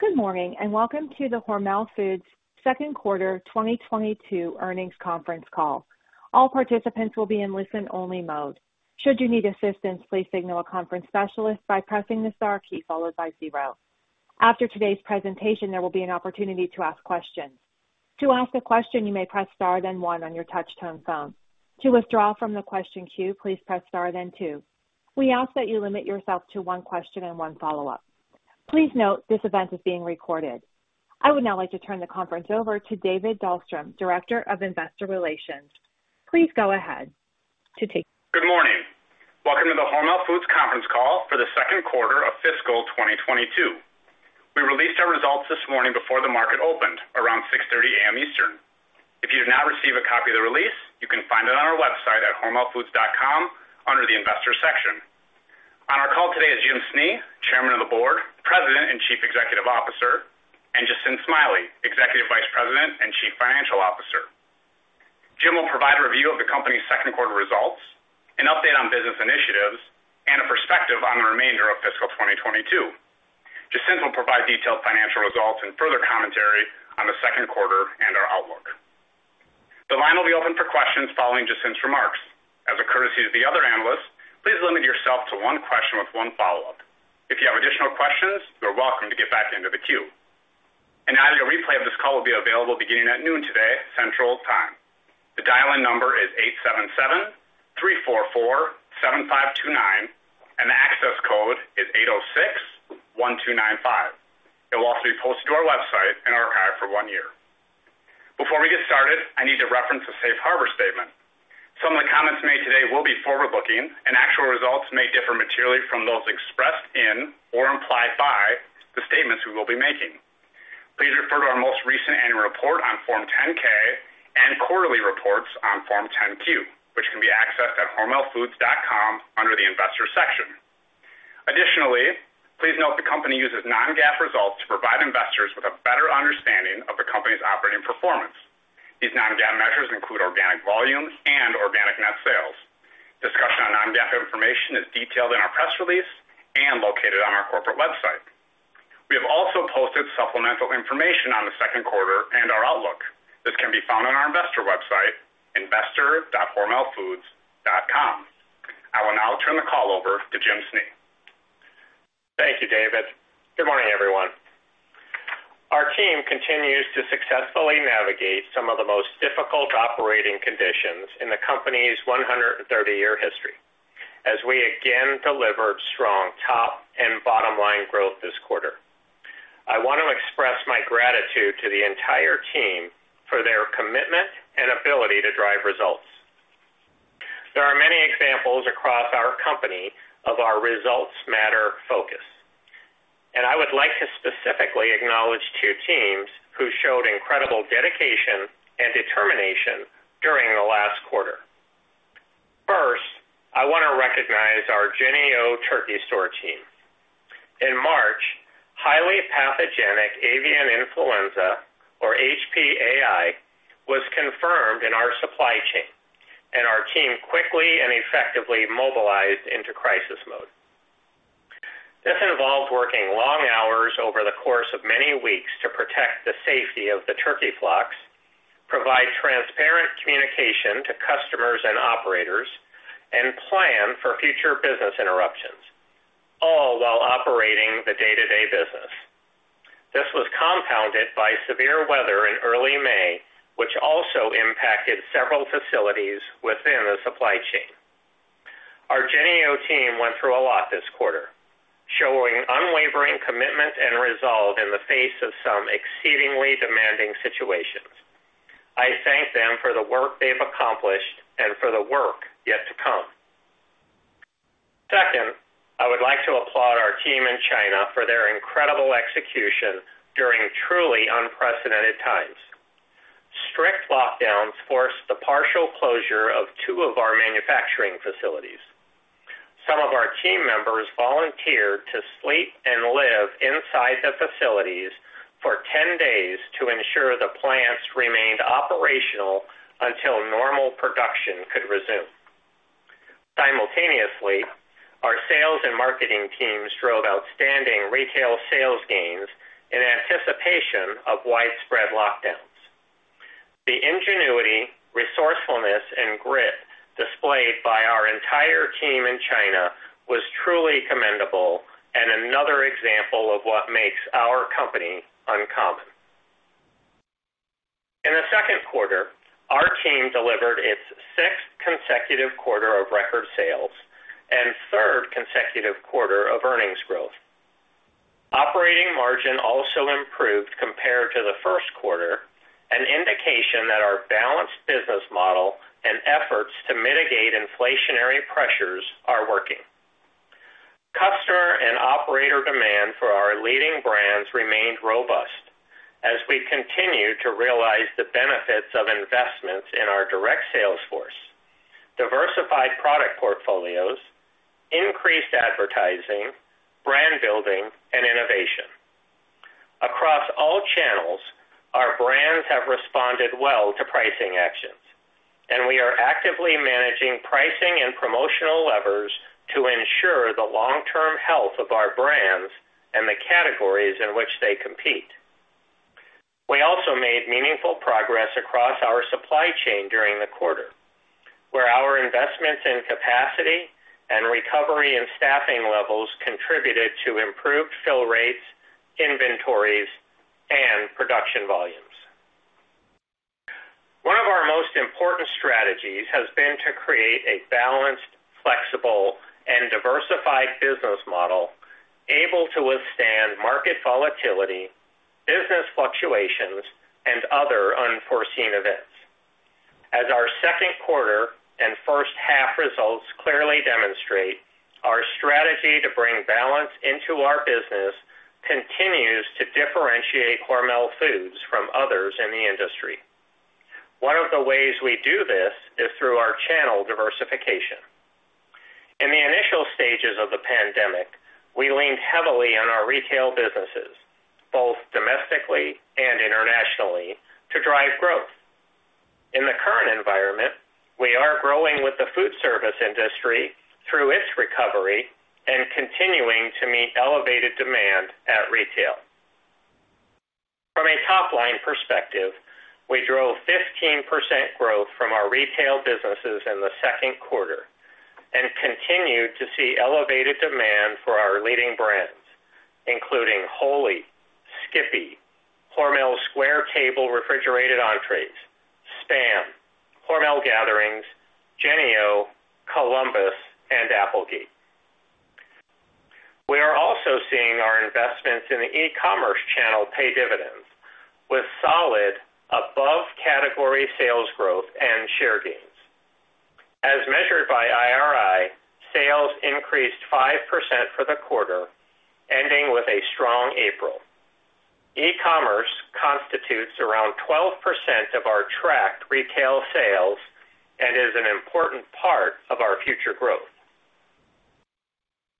Good morning, and welcome to the Hormel Foods Second Quarter 2022 Earnings Conference Call. All participants will be in listen-only mode. Should you need assistance, please signal a conference specialist by pressing the star key followed by zero. After today's presentation, there will be an opportunity to ask questions. To ask a question, you may press star then one on your touchtone phone. To withdraw from the question queue, please press star then two. We ask that you limit yourself to one question and one follow-up. Please note this event is being recorded. I would now like to turn the conference over to David Dahlstrom, Director of Investor Relations. Please go ahead. Good morning. Welcome to the Hormel Foods conference call for the second quarter of fiscal 2022. We released our results this morning before the market opened around 6:30 A.M. Eastern. If you did not receive a copy of the release, you can find it on our website at hormelfoods.com under the Investor section. On our call today is Jim Snee, Chairman of the Board, President, and Chief Executive Officer, and Jacinth Smiley, Executive Vice President and Chief Financial Officer. Jim will provide a review of the company's second quarter results, an update on business initiatives, and a perspective on the remainder of fiscal 2022. Jacinth will provide detailed financial results and further commentary on the second quarter and our outlook. The line will be open for questions following Jacinth's remarks. As a courtesy to the other analysts, please limit yourself to one question with one follow-up. If you have additional questions, you're welcome to get back into the queue. An audio replay of this call will be available beginning at noon today, Central Time. The dial-in number is 877-344-7529, and the access code is 806-1295. It will also be posted to our website and archived for one year. Before we get started, I need to reference a safe harbor statement. Some of the comments made today will be forward-looking and actual results may differ materially from those expressed in or implied by the statements we will be making. Please refer to our most recent annual report on Form 10-K and quarterly reports on Form 10-Q, which can be accessed at hormelfoods.com under the Investor section. Additionally, please note the company uses non-GAAP results to provide investors with a better understanding of the company's operating performance. These non-GAAP measures include organic volumes and organic net sales. Discussion on non-GAAP information is detailed in our press release and located on our corporate website. We have also posted supplemental information on the second quarter and our outlook. This can be found on our Investor website, investor.hormelfoods.com. I will now turn the call over to Jim Snee. Thank you, David. Good morning, everyone. Our team continues to successfully navigate some of the most difficult operating conditions in the company's 130-year history as we again delivered strong top and bottom-line growth this quarter. I want to express my gratitude to the entire team for their commitment and ability to drive results. There are many examples across our company of our results matter focus, and I would like to specifically acknowledge two teams who showed incredible dedication and determination during the last quarter. First, I wanna recognize our Jennie-O Turkey Store team. In March, Highly Pathogenic Avian Influenza, or HPAI, was confirmed in our supply chain, and our team quickly and effectively mobilized into crisis mode. This involved working long hours over the course of many weeks to protect the safety of the turkey flocks, provide transparent communication to customers and operators, and plan for future business interruptions, all while operating the day-to-day business. This was compounded by severe weather in early May, which also impacted several facilities within the supply chain. Our Jennie-O team went through a lot this quarter, showing unwavering commitment and resolve in the face of some exceedingly demanding situations. I thank them for the work they've accomplished and for the work yet to come. Second, I would like to applaud our team in China for their incredible execution during truly unprecedented times. Strict lockdowns forced the partial closure of two of our manufacturing facilities. Some of our team members volunteered to sleep and live inside the facilities for 10 days to ensure the plants remained operational until normal production could resume. Simultaneously, our sales and marketing teams drove outstanding retail sales gains in anticipation of widespread lockdowns. The ingenuity, resourcefulness, and grit displayed by our entire team in China was truly commendable and another example of what makes our company uncommon. In the second quarter, our team delivered its sixth consecutive quarter of record sales and third consecutive quarter of earnings growth. Operating margin also improved compared to the first quarter, an indication that our balanced business model and efforts to mitigate inflationary pressures are working. Customer and operator demand for our leading brands remained robust as we continue to realize the benefits of investments in our direct sales force, diversified product portfolios, increased advertising, brand building, and innovation. Across all channels. Our brands have responded well to pricing actions, and we are actively managing pricing and promotional levers to ensure the long-term health of our brands and the categories in which they compete. We also made meaningful progress across our supply chain during the quarter, where our investments in capacity and recovery and staffing levels contributed to improved fill rates, inventories, and production volumes. One of our most important strategies has been to create a balanced, flexible and diversified business model able to withstand market volatility, business fluctuations, and other unforeseen events. As our second quarter and first half results clearly demonstrate, our strategy to bring balance into our business continues to differentiate Hormel Foods from others in the industry. One of the ways we do this is through our channel diversification. In the initial stages of the pandemic, we leaned heavily on our retail businesses, both domestically and internationally, to drive growth. In the current environment, we are growing with the food service industry through its recovery and continuing to meet elevated demand at retail. From a top line perspective, we drove 15% growth from our retail businesses in the second quarter and continued to see elevated demand for our leading brands, including Wholly, Skippy, Hormel Square Table refrigerated entrees, Spam, Hormel Gatherings, Jennie-O, Columbus, and Applegate. We are also seeing our investments in the e-commerce channel pay dividends with solid above category sales growth and share gains. As measured by IRI, sales increased 5% for the quarter ending with a strong April. E-commerce constitutes around 12% of our tracked retail sales and is an important part of our future growth.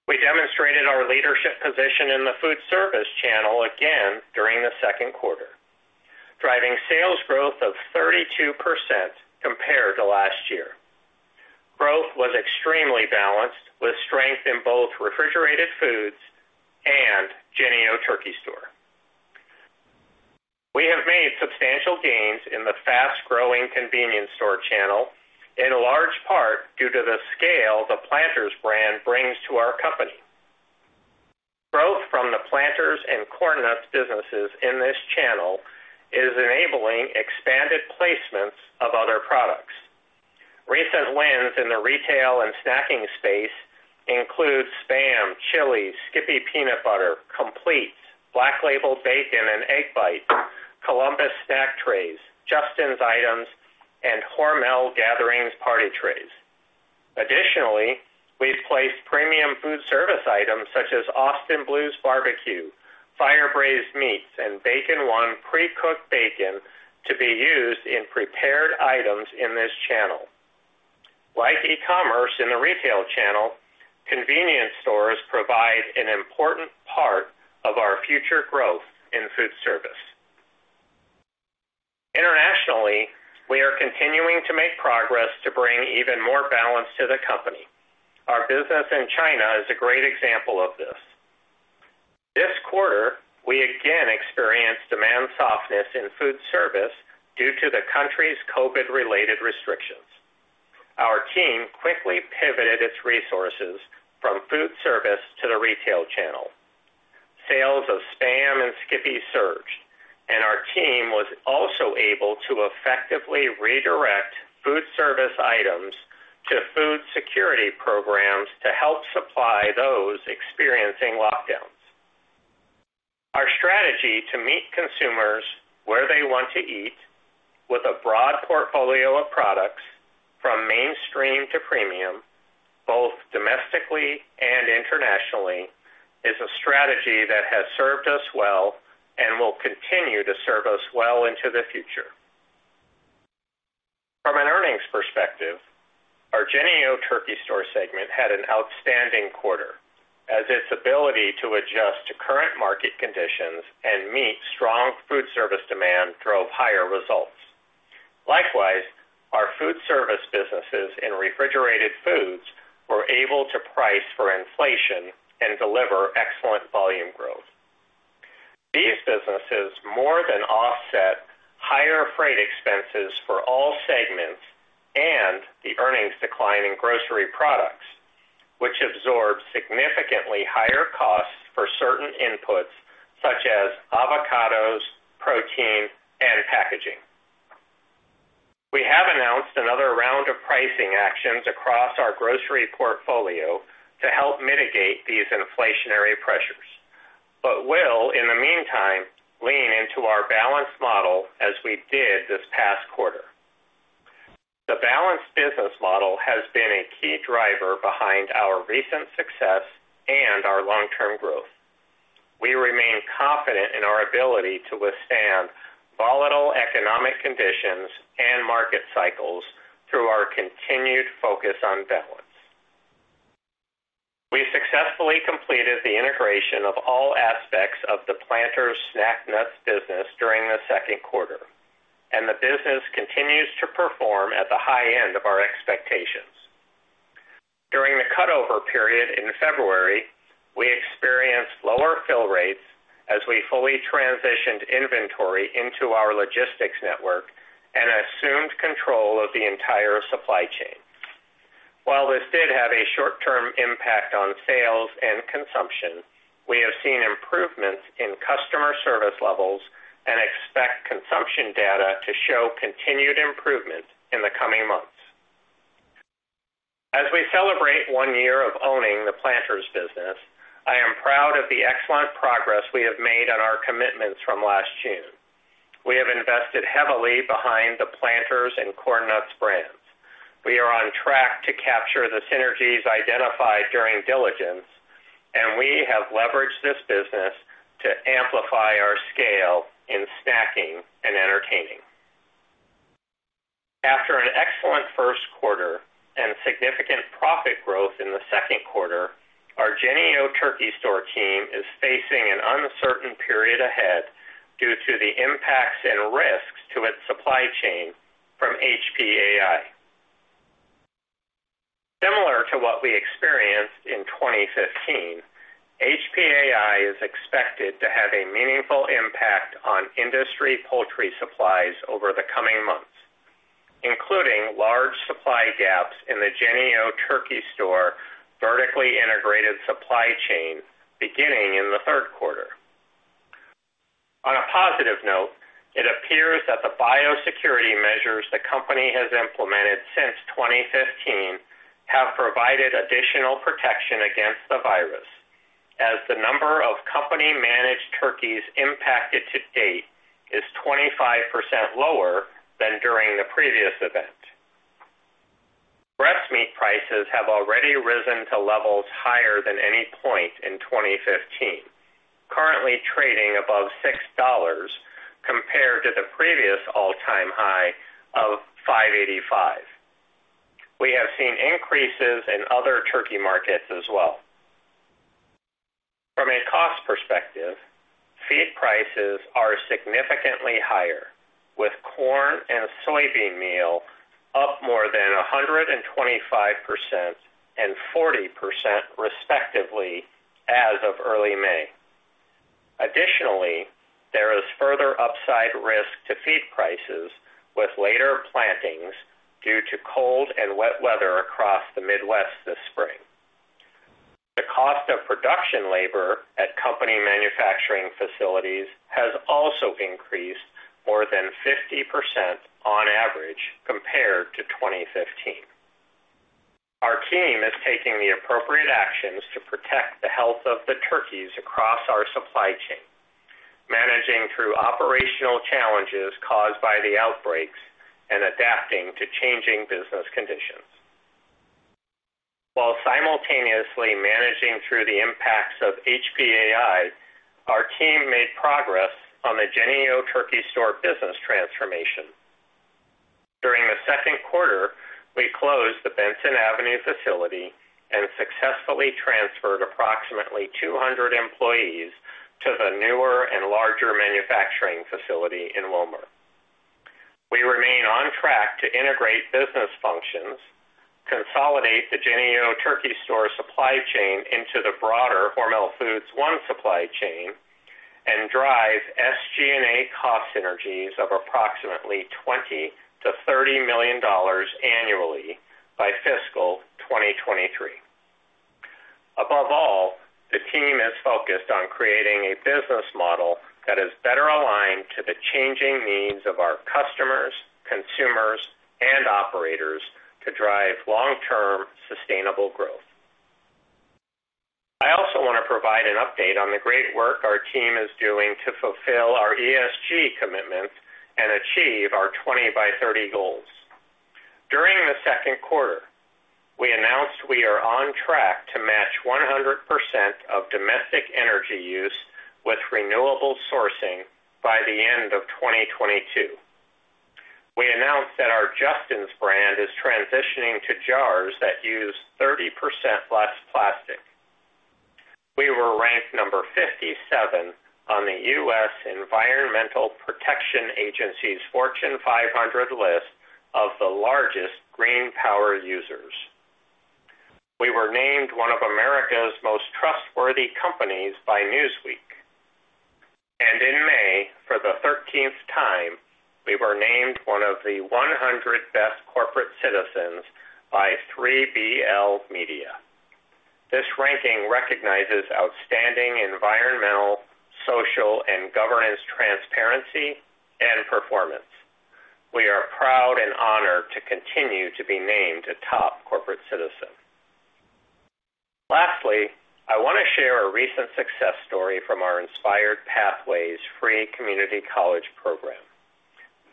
We demonstrated our leadership position in the food service channel again during the second quarter, driving sales growth of 32% compared to last year. Growth was extremely balanced with strength in both refrigerated foods and Jennie-O Turkey Store. We have made substantial gains in the fast-growing convenience store channel, in large part due to the scale the Planters brand brings to our company. Growth from the Planters and Corn Nuts businesses in this channel is enabling expanded placements of other products. Recent wins in the retail and snacking space include Spam, chili, Skippy Peanut Butter, Compleats, Black Label Bacon and Egg Bites, Columbus Snack Trays, Justin's items, and Hormel Gatherings party trays. Additionally, we've placed premium food service items such as Austin Blues barbecue, Fire Braised Meats, and Bacon 1 pre-cooked bacon to be used in prepared items in this channel. Like e-commerce in the retail channel, convenience stores provide an important part of our future growth in food service. Internationally, we are continuing to make progress to bring even more balance to the company. Our business in China is a great example of this. This quarter, we again experienced demand softness in food service due to the country's COVID-related restrictions. Our team quickly pivoted its resources from food service to the retail channel. Sales of Spam and Skippy surged, and our team was also able to effectively redirect food service items to food security programs to help supply those experiencing lockdowns. Our strategy to meet consumers where they want to eat with a broad portfolio of products from mainstream to premium, both domestically and internationally, is a strategy that has served us well and will continue to serve us well into the future. From an earnings perspective, our Jennie-O Turkey Store segment had an outstanding quarter as its ability to adjust to current market conditions and meet strong food service demand drove higher results. Likewise, our food service businesses in refrigerated foods were able to price for inflation and deliver excellent volume growth. These businesses more than offset higher freight expenses for all segments and the earnings decline in grocery products, which absorb significantly higher costs for certain inputs such as avocados, protein, and packaging. We have announced another round of pricing actions across our grocery portfolio to help mitigate these inflationary pressures, but will in the meantime lean into our balanced model as we did this past quarter. The balanced business model has been a key driver behind our recent success and our long-term growth. We remain confident in our ability to withstand volatile economic conditions and market cycles through our continued focus on balance. The integration of all aspects of the Planters Snack Nuts business during the second quarter, and the business continues to perform at the high end of our expectations. During the cutover period in February, we experienced lower fill rates as we fully transitioned inventory into our logistics network and assumed control of the entire supply chain. While this did have a short-term impact on sales and consumption, we have seen improvements in customer service levels and expect consumption data to show continued improvement in the coming months. As we celebrate one year of owning the Planters business, I am proud of the excellent progress we have made on our commitments from last June. We have invested heavily behind the Planters and Corn Nuts brands. We are on track to capture the synergies identified during diligence, and we have leveraged this business to amplify our scale in snacking and entertaining. After an excellent first quarter and significant profit growth in the second quarter, our Jennie-O Turkey Store team is facing an uncertain period ahead due to the impacts and risks to its supply chain from HPAI. Similar to what we experienced in 2015, HPAI is expected to have a meaningful impact on industry poultry supplies over the coming months, including large supply gaps in the Jennie-O Turkey Store vertically integrated supply chain beginning in the third quarter. On a positive note, it appears that the biosecurity measures the company has implemented since 2015 have provided additional protection against the virus as the number of company managed turkeys impacted to date is 25% lower than during the previous event. Breast meat prices have already risen to levels higher than any point in 2015, currently trading above $6 compared to the previous all-time high of $5.85. We have seen increases in other turkey markets as well. From a cost perspective, feed prices are significantly higher, with corn and soybean meal up more than 125% and 40% respectively as of early May. Additionally, there is further upside risk to feed prices with later plantings due to cold and wet weather across the Midwest this spring. The cost of production labor at company manufacturing facilities has also increased more than 50% on average compared to 2015. Our team is taking the appropriate actions to protect the health of the turkeys across our supply chain, managing through operational challenges caused by the outbreaks and adapting to changing business conditions. While simultaneously managing through the impacts of HPAI, our team made progress on the Jennie-O Turkey Store business transformation. During the second quarter, we closed the Benson Avenue facility and successfully transferred approximately 200 employees to the newer and larger manufacturing facility in Willmar. We remain on track to integrate business functions, consolidate the Jennie-O Turkey Store supply chain into the broader Hormel Foods One Supply Chain, and drive SG&A cost synergies of approximately $20 million-$30 million annually by fiscal 2023. Above all, the team is focused on creating a business model that is better aligned to the changing needs of our customers, consumers and operators to drive long-term sustainable growth. I also want to provide an update on the great work our team is doing to fulfill our ESG commitments and achieve our 20 by 30 goals. During the second quarter, we announced we are on track to match 100% of domestic energy use with renewable sourcing by the end of 2022. We announced that our Justin's brand is transitioning to jars that use 30% less plastic. We were ranked number 57 on the U.S. Environmental Protection Agency's Fortune 500 list of the largest green power users. We were named one of America's most trustworthy companies by Newsweek. In May, for the 13th time, we were named one of the 100 best corporate citizens by 3BL Media. This ranking recognizes outstanding environmental, social, and governance transparency and performance. We are proud and honored to continue to be named a top corporate citizen. Lastly, I want to share a recent success story from our Inspired Pathways Free Community College program.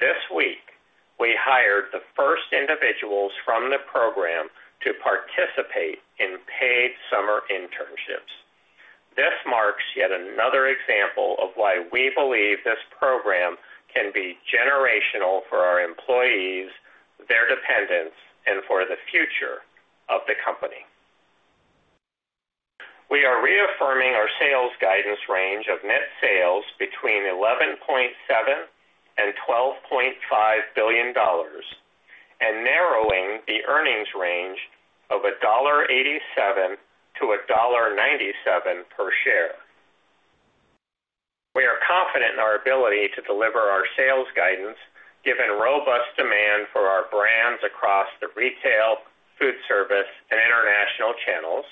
This week we hired the first individuals from the program to participate in paid summer internships. This marks yet another example of why we believe this program can be generational for our employees' dependents and for the future of the company. We are reaffirming our sales guidance range of net sales between $11.7 billion and $12.5 billion and narrowing the earnings range of $1.87-$1.97 per share. We are confident in our ability to deliver our sales guidance given robust demand for our brands across the retail, food service and international channels,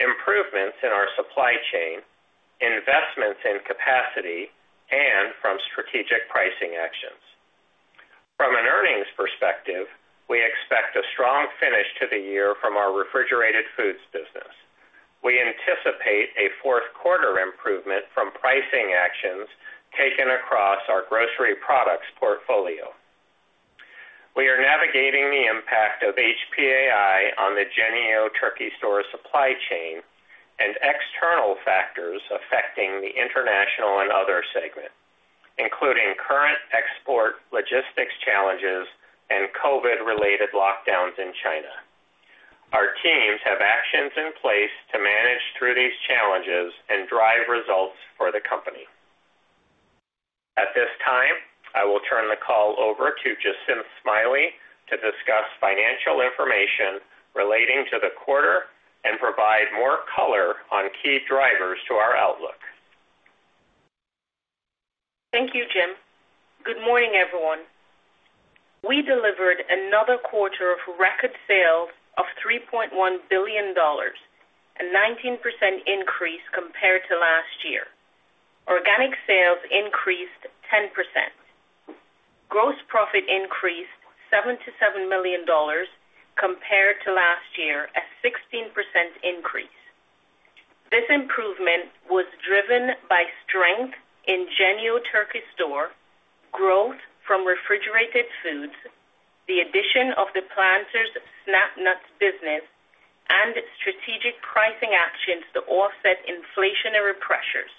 improvements in our supply chain, investments in capacity and from strategic pricing actions. From an earnings perspective, we expect a strong finish to the year from our refrigerated foods business. We anticipate a fourth quarter improvement from pricing actions taken across our grocery products portfolio. We are navigating the impact of HPAI on the Jennie-O Turkey Store supply chain and external factors affecting the international and other segment, including current export logistics challenges and COVID related lockdowns in China. Our teams have actions in place to manage through these challenges and drive results for the company. At this time, I will turn the call over to Jacinth Smiley to discuss financial information relating to the quarter and provide more color on key drivers to our outlook. Thank you, Jim. Good morning, everyone. We delivered another quarter of record sales of $3.1 billion, a 19% increase compared to last year. Organic sales increased 10%. Gross profit increased to $577 million compared to last year, a 16% increase. This improvement was driven by strength in Jennie-O Turkey Store, growth from refrigerated foods, the addition of the Planters Snack Nuts business and strategic pricing actions to offset inflationary pressures.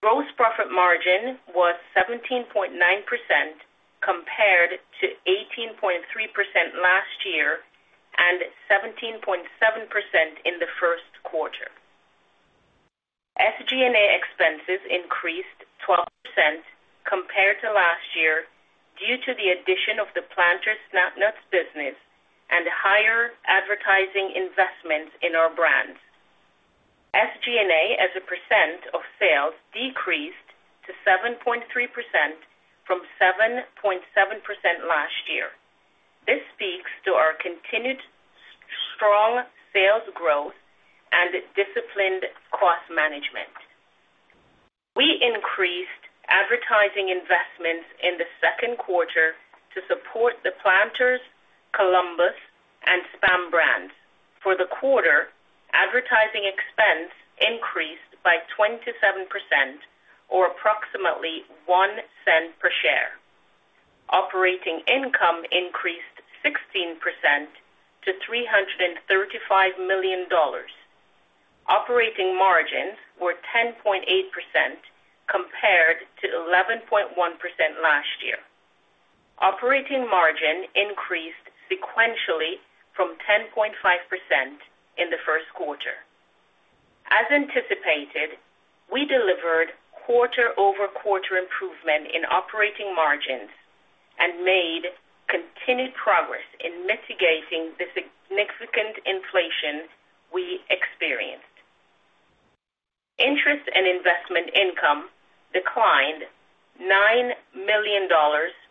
Gross profit margin was 17.9% compared to 18.3% last year and 17.7% in the first quarter. SG&A expenses increased 12% compared to last year due to the addition of the Planters Snack Nuts business and higher advertising investments in our brands. SG&A as a percent of sales decreased to 7.3% from 7.7% last year. This speaks to our continued strong sales growth and disciplined cost management. We increased advertising investments in the second quarter to support the Planters, Columbus and Spam brands. For the quarter, advertising expense increased by 27% or approximately $0.01 per share. Operating income increased 16% to $335 million. Operating margins were 10.8% compared to 11.1% last year. Operating margin increased sequentially from 10.5% in the first quarter. As anticipated, we delivered quarter-over-quarter improvement in operating margins and made continued progress in mitigating the significant inflation we experienced. Interest and investment income declined $9 million,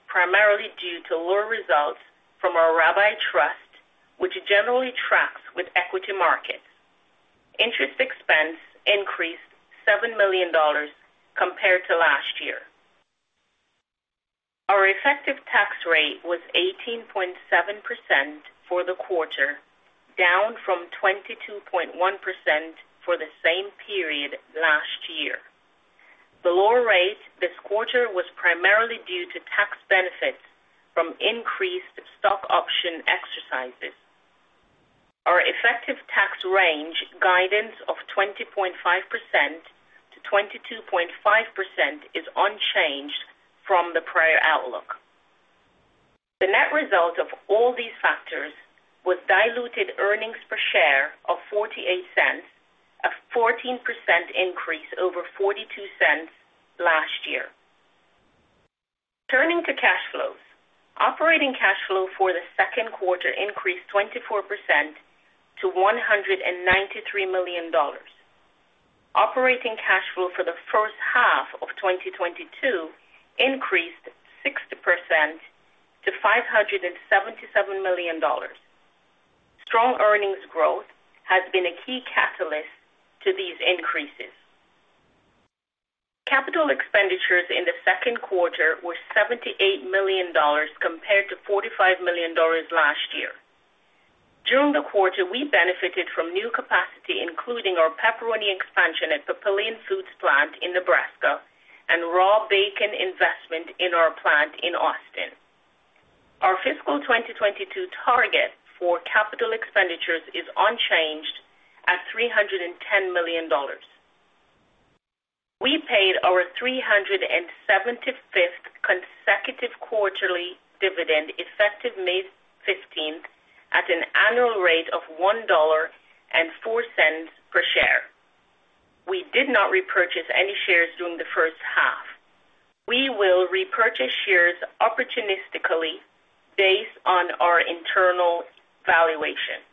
primarily due to lower results from our Rabbi trust, which generally tracks with equity markets. Interest expense increased $7 million compared to last year. Our effective tax rate was 18.7% for the quarter, down from 22.1% for the same period last year. The lower rate this quarter was primarily due to tax benefits from increased stock option exercises. Our effective tax rate guidance of 20.5%-22.5% is unchanged from the prior outlook. The net result of all these factors was diluted earnings per share of $0.48, a 14% increase over $0.42 last year. Turning to cash flows. Operating cash flow for the second quarter increased 24% to $193 million. Operating cash flow for the first half of 2022 increased 60% to $577 million. Strong earnings growth has been a key catalyst to these increases. Capital expenditures in the second quarter were $78 million compared to $45 million last year. During the quarter, we benefited from new capacity, including our pepperoni expansion at Papillion Foods plant in Nebraska and raw bacon investment in our plant in Austin. Our fiscal 2022 target for capital expenditures is unchanged at $310 million. We paid our 375th consecutive quarterly dividend effective May fifteenth, at an annual rate of $1.04 per share. We did not repurchase any shares during the first half. We will repurchase shares opportunistically based on our internal valuation.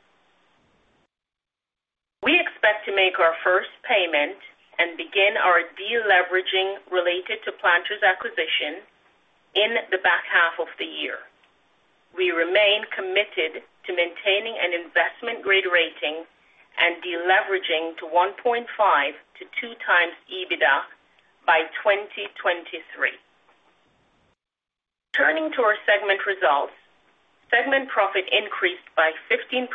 We expect to make our first payment and begin our deleveraging related to Planters acquisition in the back half of the year. We remain committed to maintaining an investment-grade rating and deleveraging to 1.5x-2x EBITDA by 2023. Turning to our segment results. Segment profit increased by 15%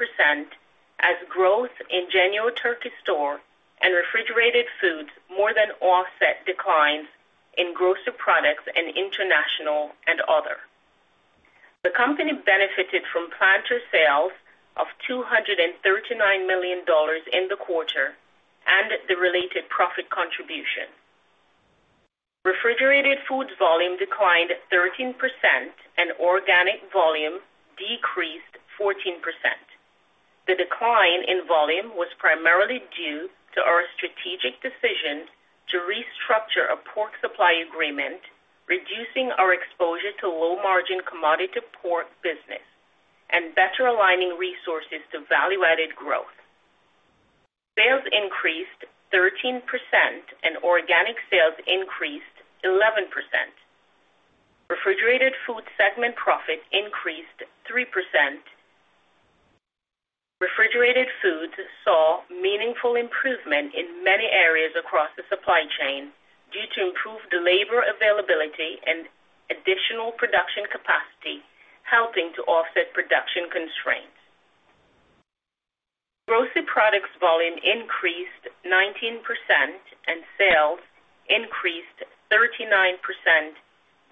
as growth in Jennie-O Turkey Store and Refrigerated Foods more than offset declines in Grocery Products and International and Other. The company benefited from Planters sales of $239 million in the quarter and the related profit contribution. Refrigerated Foods volume declined 13% and organic volume decreased 14%. The decline in volume was primarily due to our strategic decision to restructure a pork supply agreement, reducing our exposure to low-margin commodity pork business and better aligning resources to value-added growth. Sales increased 13% and organic sales increased 11%. Refrigerated Foods segment profit increased 3%. Refrigerated Foods saw meaningful improvement in many areas across the supply chain due to improved labor availability and additional production capacity, helping to offset production constraints. Grocery Products volume increased 19% and sales increased 39%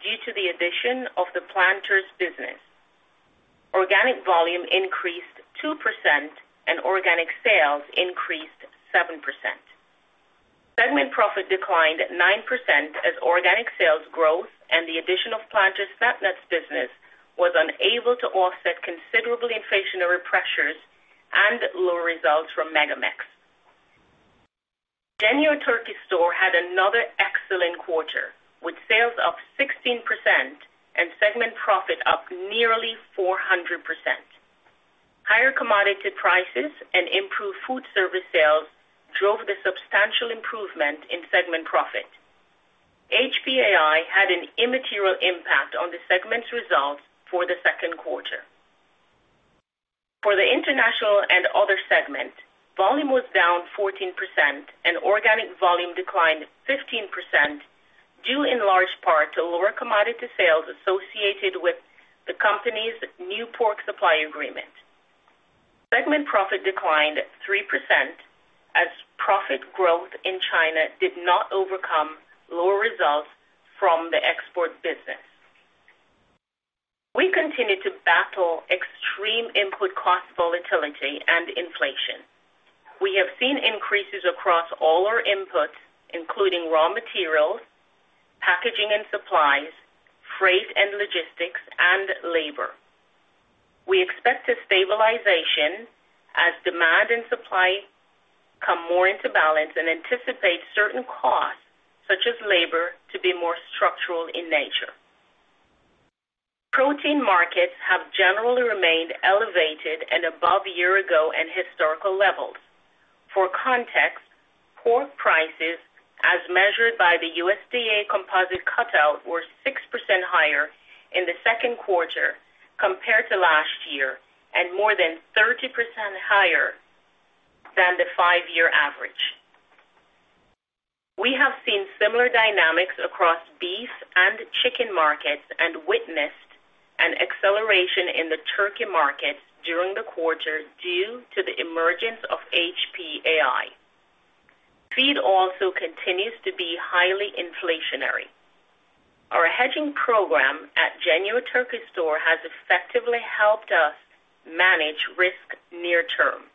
due to the addition of the Planters business. Organic volume increased 2% and organic sales increased 7%. Segment profit declined 9% as organic sales growth and the addition of Planters Snack Nuts business was unable to offset considerable inflationary pressures and lower results from MegaMex. Jennie-O Turkey Store had another excellent quarter, with sales up 16% and segment profit up nearly 400%. Higher commodity prices and improved food service sales drove the substantial improvement in segment profit. HPAI had an immaterial impact on the segment's results for the second quarter. For the International and Other segment, volume was down 14% and organic volume declined 15% due in large part to lower commodity sales associated with the company's new pork supply agreement. Segment profit declined 3% as profit growth in China did not overcome lower results from the export business. We continue to battle extreme input cost volatility and inflation. We have seen increases across all our inputs, including raw materials, packaging and supplies, freight and logistics, and labor. We expect a stabilization as demand and supply come more into balance and anticipate certain costs, such as labor, to be more structural in nature. Protein markets have generally remained elevated and above year-ago and historical levels. For context, pork prices, as measured by the USDA composite cutout, were 6% higher in the second quarter compared to last year and more than 30% higher than the five year average. We have seen similar dynamics across beef and chicken markets and witnessed an acceleration in the turkey market during the quarter due to the emergence of HPAI. Feed also continues to be highly inflationary. Our hedging program at Jennie-O Turkey Store has effectively helped us manage risk near term.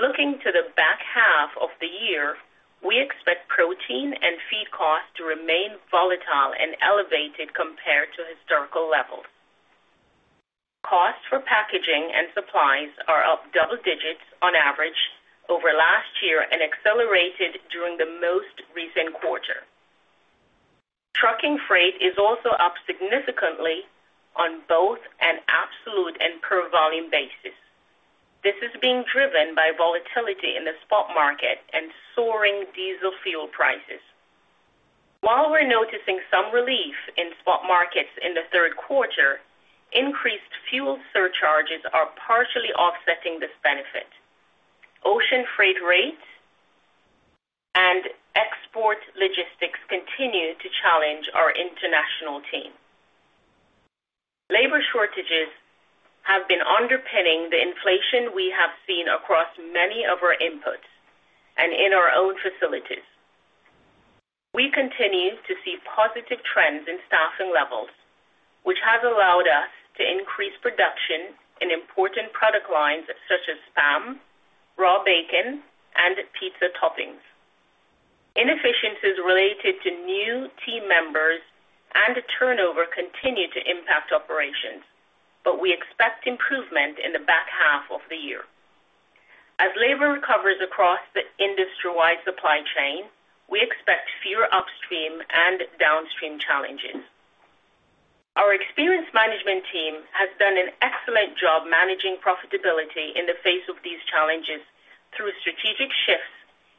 Looking to the back half of the year, we expect protein and feed costs to remain volatile and elevated compared to historical levels. Costs for packaging and supplies are up double digits on average over last year and accelerated during the most recent quarter. Trucking freight is also up significantly on both an absolute and per volume basis. This is being driven by volatility in the spot market and soaring diesel fuel prices. While we're noticing some relief in spot markets in the third quarter, increased fuel surcharges are partially offsetting this benefit. Ocean freight rates and export logistics continue to challenge our international team. Labor shortages have been underpinning the inflation we have seen across many of our inputs and in our own facilities. We continue to see positive trends in staffing levels, which has allowed us to increase production in important product lines such as Spam, raw bacon, and pizza toppings. Inefficiencies related to new team members and turnover continue to impact operations, but we expect improvement in the back half of the year. As labor recovers across the industry-wide supply chain, we expect fewer upstream and downstream challenges. Our experienced management team has done an excellent job managing profitability in the face of these challenges through strategic shifts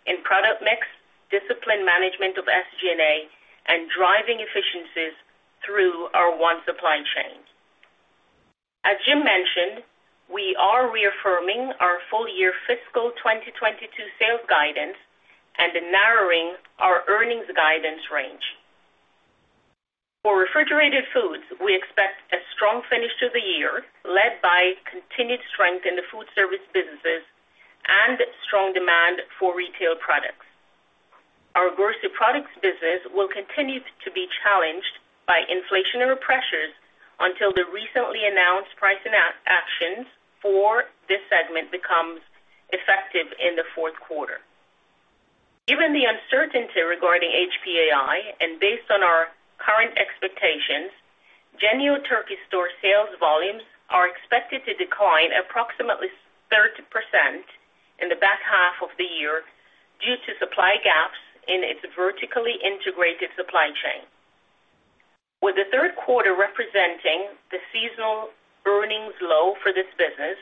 in product mix, disciplined management of SG&A, and driving efficiencies through our One Supply Chain. As Jim mentioned, we are reaffirming our full-year fiscal 2022 sales guidance and narrowing our earnings guidance range. For refrigerated foods, we expect a strong finish to the year led by continued strength in the food service businesses and strong demand for retail products. Our grocery products business will continue to be challenged by inflationary pressures until the recently announced pricing actions for this segment becomes effective in the fourth quarter. Given the uncertainty regarding HPAI and based on our current expectations, Jennie-O Turkey Store sales volumes are expected to decline approximately 30% in the back half of the year due to supply gaps in its vertically integrated supply chain. With the third quarter representing the seasonal earnings low for this business,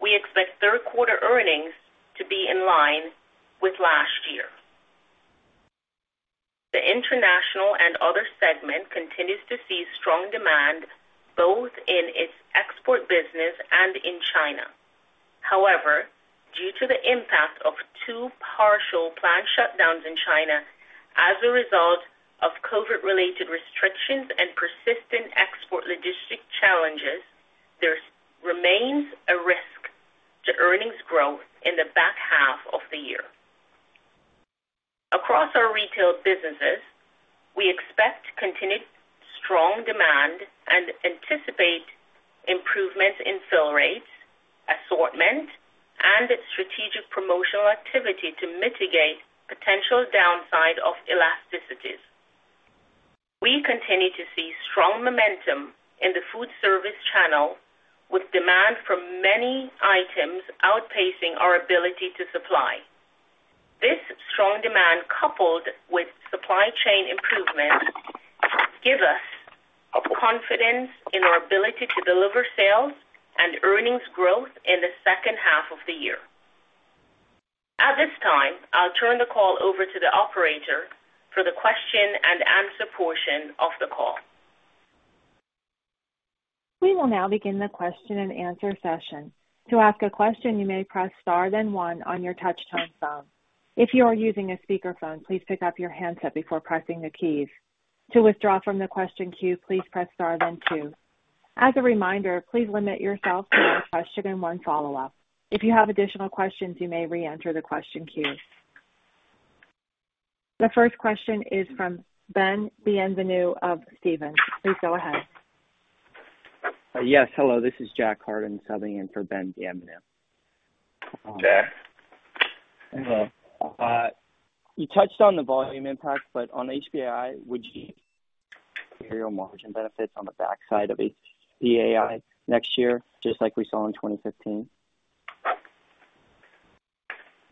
we expect third quarter earnings to be in line with last year. The international and other segment continues to see strong demand both in its export business and in China. However, due to the impact of two partial plant shutdowns in China as a result of COVID-related restrictions and persistent export logistic challenges, there remains a risk to earnings growth in the back half of the year. Across our retail businesses, we expect continued strong demand and anticipate improvements in fill rates, assortment, and its strategic promotional activity to mitigate potential downside of elasticities. We continue to see strong momentum in the food service channel, with demand for many items outpacing our ability to supply. This strong demand, coupled with supply chain improvements, give us confidence in our ability to deliver sales and earnings growth in the second half of the year. At this time, I'll turn the call over to the operator for the question-and-answer portion of the call. We will now begin the question-and-answer session. To ask a question, you may press star then one on your touch-tone phone. If you are using a speakerphone, please pick up your handset before pressing the keys. To withdraw from the question queue, please press star then two. As a reminder, please limit yourself to one question and one follow-up. If you have additional questions, you may reenter the question queue. The first question is from Ben Bienvenu of Stephens. Please go ahead. Yes, hello. This is Jack Hardin subbing in for Ben Bienvenu. Hello, Jack. Hello. You touched on the volume impact, but on HPAI, would you see material margin benefits on the backside of HPAI next year, just like we saw in 2015?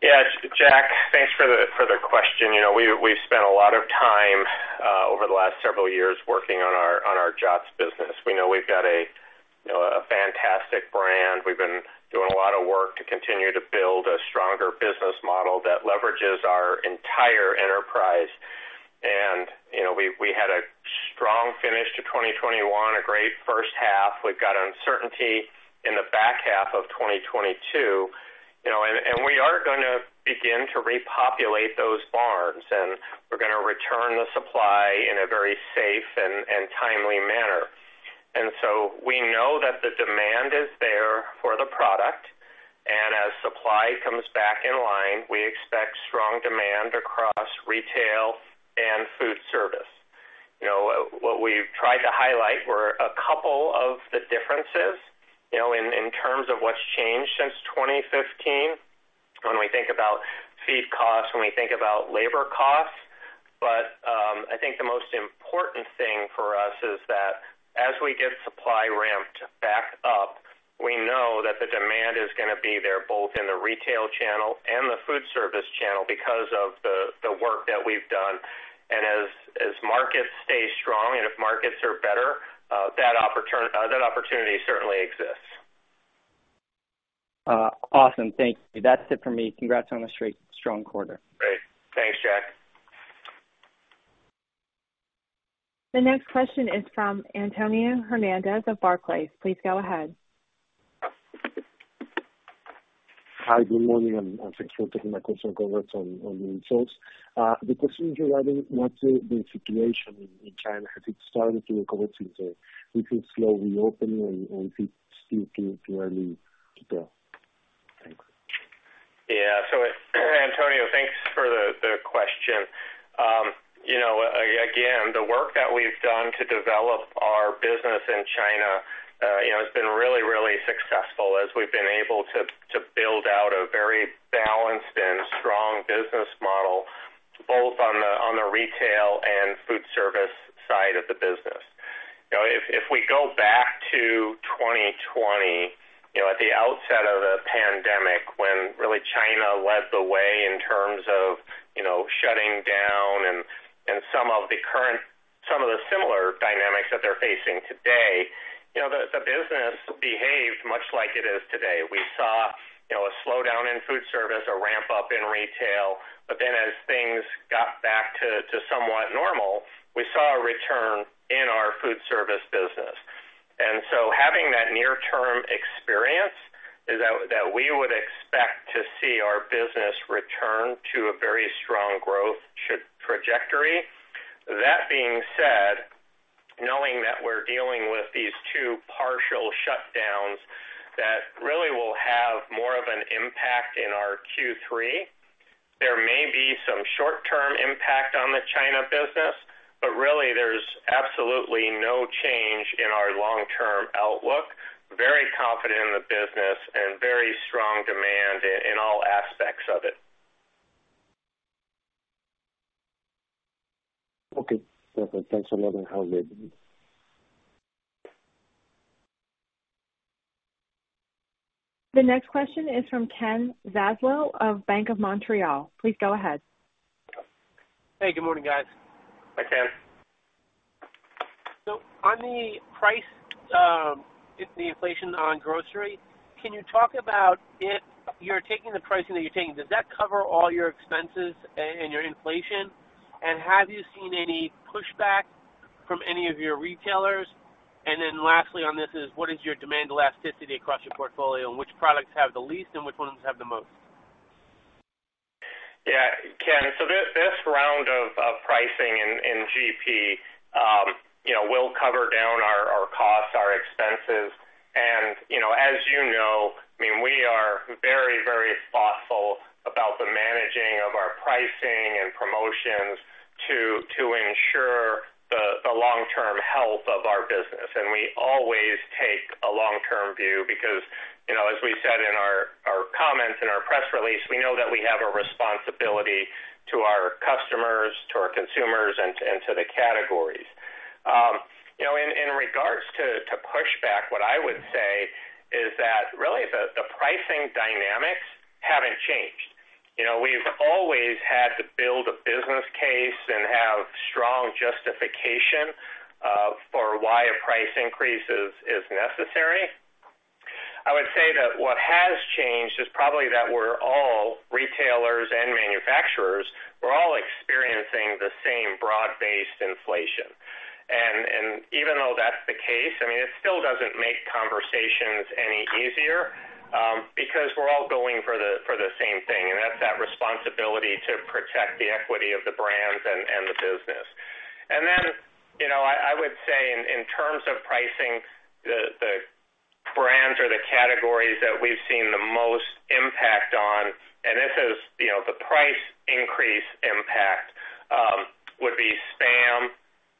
Yeah, Jack, thanks for the question. You know, we've spent a lot of time over the last several years working on our JOTS business. We know we've got a fantastic brand. We've been doing a lot of work to continue to build a stronger business model that leverages our entire enterprise. You know, we had a strong finish to 2021, a great first half. We've got uncertainty in the back half of 2022, you know, and we are gonna begin to repopulate those barns, and we're gonna return the supply in a very safe and timely manner. We know that the demand is there for the product, and as supply comes back in line, we expect strong demand across retail and food service. You know, what we've tried to highlight were a couple of the differences, you know, in terms of what's changed since 2015 when we think about feed costs, when we think about labor costs. I think the most important thing for us is that as we get supply ramped back up, we know that the demand is gonna be there, both in the retail channel and the food service channel because of the work that we've done. As markets stay strong and if markets are better, that opportunity certainly exists. Awesome. Thank you. That's it for me. Congrats on a strong quarter. Great. Thanks, Jack. The next question is from Antonio Hernández of Barclays. Please go ahead. Hi, good morning, and thanks for taking my question, congrats on the results. The question regarding what's the situation in China. Has it started to recover since we can slowly open or is it still too early to tell? Thanks. Yeah. Antonio, thanks for the question. You know, again, the work that we've done to develop our business in China, you know, has been really successful as we've been able to build out a very balanced and strong business model, both on the retail and food service side of the business. You know, if we go back to 2020, you know, at the outset of the pandemic when really China led the way in terms of, you know, shutting down and some of the similar dynamics that they're facing today, you know, the business behaved much like it is today. We saw, you know, a slowdown in food service, a ramp-up in retail, but then as things got back to somewhat normal, we saw a return in our food service business. Having that near-term experience is that we would expect to see our business return to a very strong growth trajectory. That being said, knowing that we're dealing with these two partial shutdowns that really will have more of an impact in our Q3, there may be some short-term impact on the China business, but really there's absolutely no change in our long-term outlook. Very confident in the business and very strong demand in all aspects of it. Okay. Perfect. Thanks a lot. Have a great day. The next question is from Ken Zaslow of Bank of Montreal. Please go ahead. Hey, good morning, guys. Hi, Ken. On the price, the inflation on grocery, can you talk about if you're taking the pricing that you're taking, does that cover all your expenses and your inflation? And then lastly on this is what is your demand elasticity across your portfolio, and which products have the least and which ones have the most? Yeah, Ken. This round of pricing in GP will cover down our costs, our expenses. You know, as you know, I mean, we are very thoughtful about the managing of our pricing and promotions to ensure the long-term health of our business. We always take a long-term view because, you know, as we said in our comments, in our press release, we know that we have a responsibility to our customers, to our consumers, and to the categories. You know, in regards to pushback, what I would say is that really the pricing dynamics haven't changed. You know, we've always had to build a business case and have strong justification for why a price increase is necessary. I would say that what has changed is probably that we're all retailers and manufacturers, we're all experiencing the same broad-based inflation. Even though that's the case, I mean, it still doesn't make conversations any easier, because we're all going for the same thing, and that's that responsibility to protect the equity of the brands and the business. You know, I would say in terms of pricing the brands or the categories that we've seen the most impact on, and this is, you know, the price increase impact, would be Spam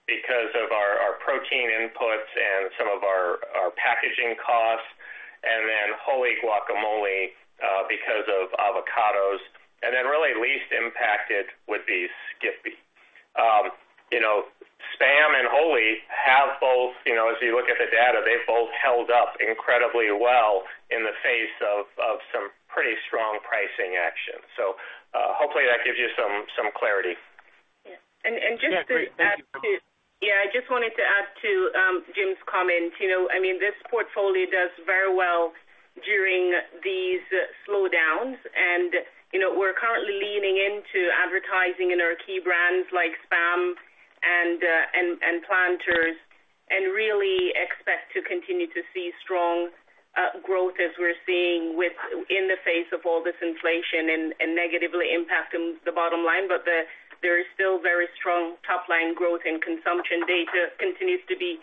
because of our protein inputs and some of our packaging costs, and then Wholly Guacamole because of avocados. Really least impacted would be Skippy. You know, Spam and Wholly have both, you know, as you look at the data, they've both held up incredibly well in the face of some pretty strong pricing action. Hopefully that gives you some clarity. Yeah. Yeah. Great. Thank you. Yeah, I just wanted to add to Jim's comment. You know, I mean, this portfolio does very well during these slowdowns and, you know, we're currently leaning into advertising in our key brands like Spam and Planters, and really expect to continue to see strong growth as we're seeing in the face of all this inflation and negatively impacting the bottom line. But there is still very strong top-line growth and consumption data continues to be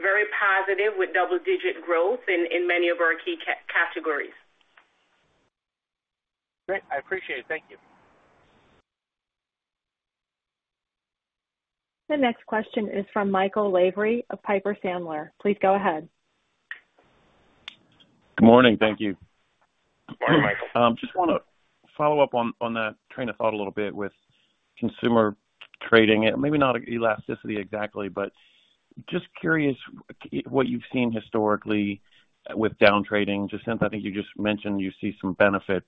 very positive with double-digit growth in many of our key categories. Great. I appreciate it. Thank you. The next question is from Michael Lavery of Piper Sandler. Please go ahead. Good morning. Thank you. Good morning, Michael. Just wanna follow up on that train of thought a little bit with consumer trading, maybe not elasticity exactly, but just curious what you've seen historically with down trading. Just since I think you just mentioned you see some benefit.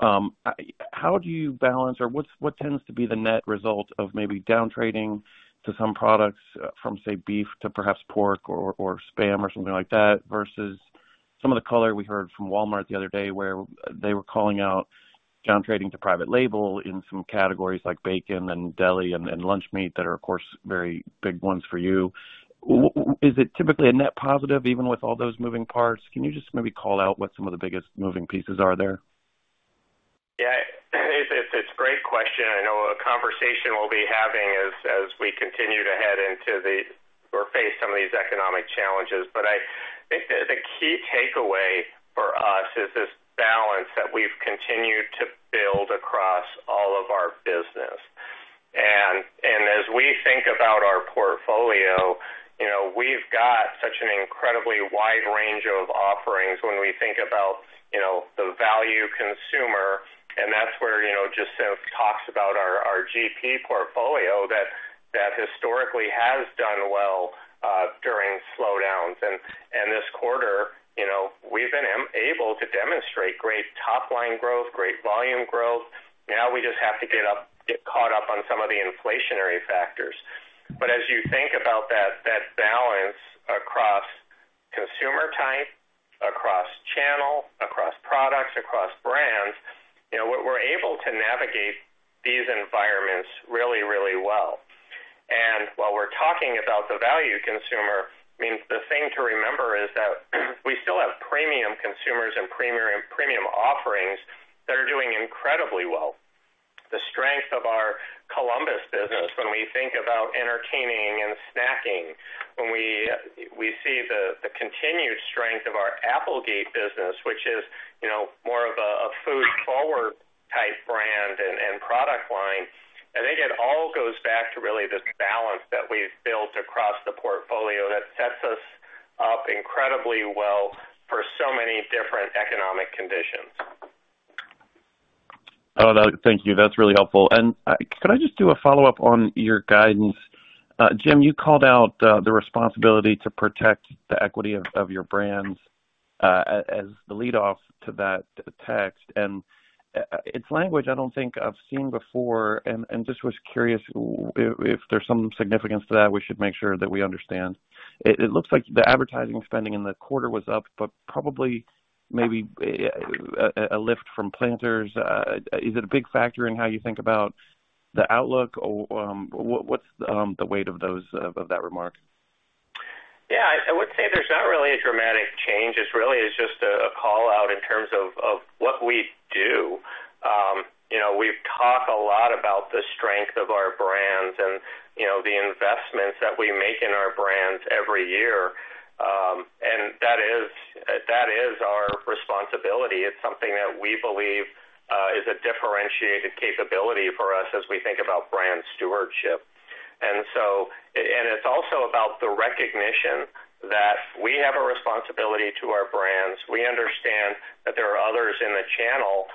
How do you balance or what's what tends to be the net result of maybe down trading to some products from, say, beef to perhaps pork or Spam or something like that versus some of the color we heard from Walmart the other day where they were calling out down trading to private label in some categories like bacon and deli and lunch meat that are of course very big ones for you. Is it typically a net positive even with all those moving parts? Can you just maybe call out what some of the biggest moving pieces are there? Yeah. It's a great question and I know a conversation we'll be having as we continue to head into or face some of these economic challenges. I think the key takeaway for us is this. That we've continued to build across all of our business. As we think about our portfolio, you know, we've got such an incredibly wide range of offerings when we think about, you know, the value consumer, and that's where, you know, Jacinth Smiley talks about our GP portfolio that historically has done well during slowdowns. This quarter, you know, we've been able to demonstrate great top line growth, great volume growth. Now we just have to get caught up on some of the inflationary factors. As you think about that balance across consumer type, across channel, across products, across brands, you know, we're able to navigate these environments really, really well. While we're talking about the value consumer, I mean, the thing to remember is that we still have premium consumers and premier and premium offerings that are doing incredibly well. The strength of our Columbus business when we think about entertaining and snacking, when we see the continued strength of our Applegate business, which is, you know, more of a food forward type brand and product line. I think it all goes back to really this balance that we've built across the portfolio that sets us up incredibly well for so many different economic conditions. Thank you. That's really helpful. Could I just do a follow-up on your guidance? Jim, you called out the responsibility to protect the equity of your brands as the lead off to that text. It's language I don't think I've seen before, and just was curious if there's some significance to that we should make sure that we understand. It looks like the advertising spending in the quarter was up, but probably maybe a lift from Planters. Is it a big factor in how you think about the outlook? Or what's the weight of that remark? Yeah, I would say there's not really a dramatic change. It really is just a call out in terms of what we do. You know, we've talked a lot about the strength of our brands and, you know, the investments that we make in our brands every year. That is our responsibility. It's something that we believe is a differentiated capability for us as we think about brand stewardship. It's also about the recognition that we have a responsibility to our brands. We understand that there are others in the channel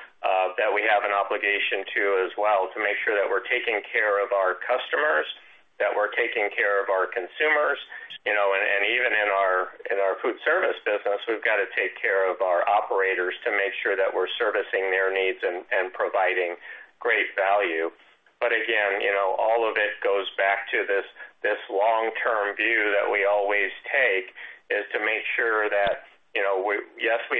that we have an obligation to as well to make sure that we're taking care of our customers, that we're taking care of our consumers, you know, and even in our food service business, we've got to take care of our operators to make sure that we're servicing their needs and providing great value. Again, you know, all of it goes back to this long-term view that we always take, is to make sure that, you know, we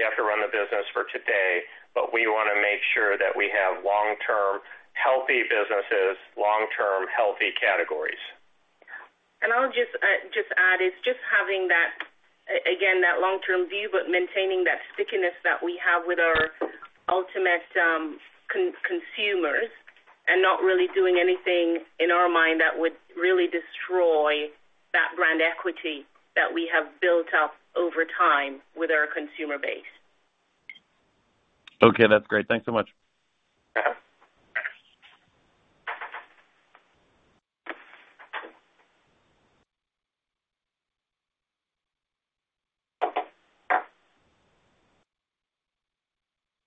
have to run the business for today, but we wanna make sure that we have long-term healthy businesses, long-term healthy categories. I'll just add, is just having that again, that long-term view, but maintaining that stickiness that we have with our ultimate consumers and not really doing anything in our mind that would really destroy that brand equity that we have built up over time with our consumer base. Okay, that's great. Thanks so much.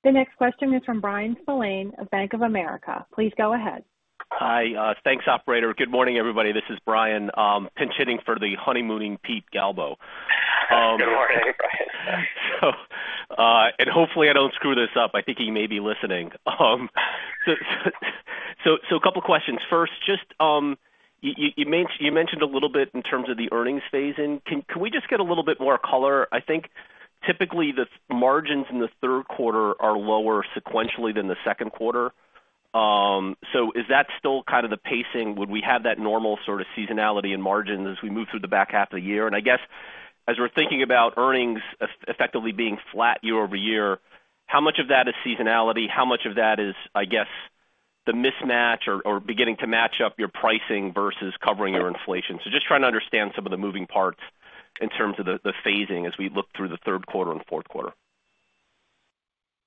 The next question is from Bryan Spillane of Bank of America. Please go ahead. Hi. Thanks, operator. Good morning, everybody. This is Bryan, pinch-hitting for the honeymooning Pete Galbo. Good morning, Bryan. Hopefully, I don't screw this up. I think he may be listening. A couple questions. First, just you mentioned a little bit in terms of the earnings phasing in. Can we just get a little bit more color? I think typically the margins in the third quarter are lower sequentially than the second quarter. Is that still kind of the pacing? Would we have that normal sort of seasonality in margins as we move through the back half of the year? I guess, as we're thinking about earnings effectively being flat year-over-year, how much of that is seasonality? How much of that is, I guess, the mismatch or beginning to match up your pricing versus covering your inflation? Just trying to understand some of the moving parts in terms of the phasing as we look through the third quarter and fourth quarter.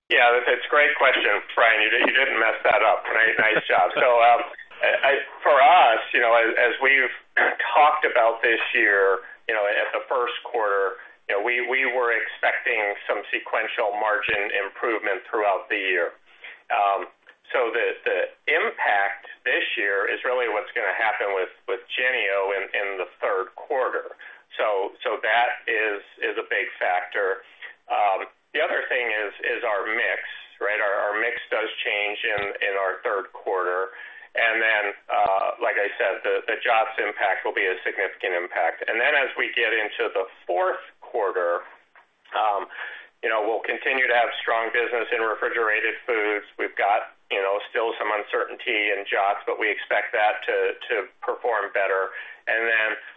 Yeah, that's a great question, Bryan. You didn't mess that up. Nice job. For us, you know, as we've talked about this year, you know, at the first quarter, you know, we were expecting some sequential margin improvement throughout the year. The impact this year is really what's gonna happen with Jennie-O in the third quarter. That is a big factor. The other thing is our mix, right? Our mix does change in our third quarter. Then, like I said, the JOTS impact will be a significant impact. Then as we get into the fourth quarter, you know, we'll continue to have strong business in refrigerated foods. We've got, you know, still some uncertainty in JOTS, but we expect that to perform better.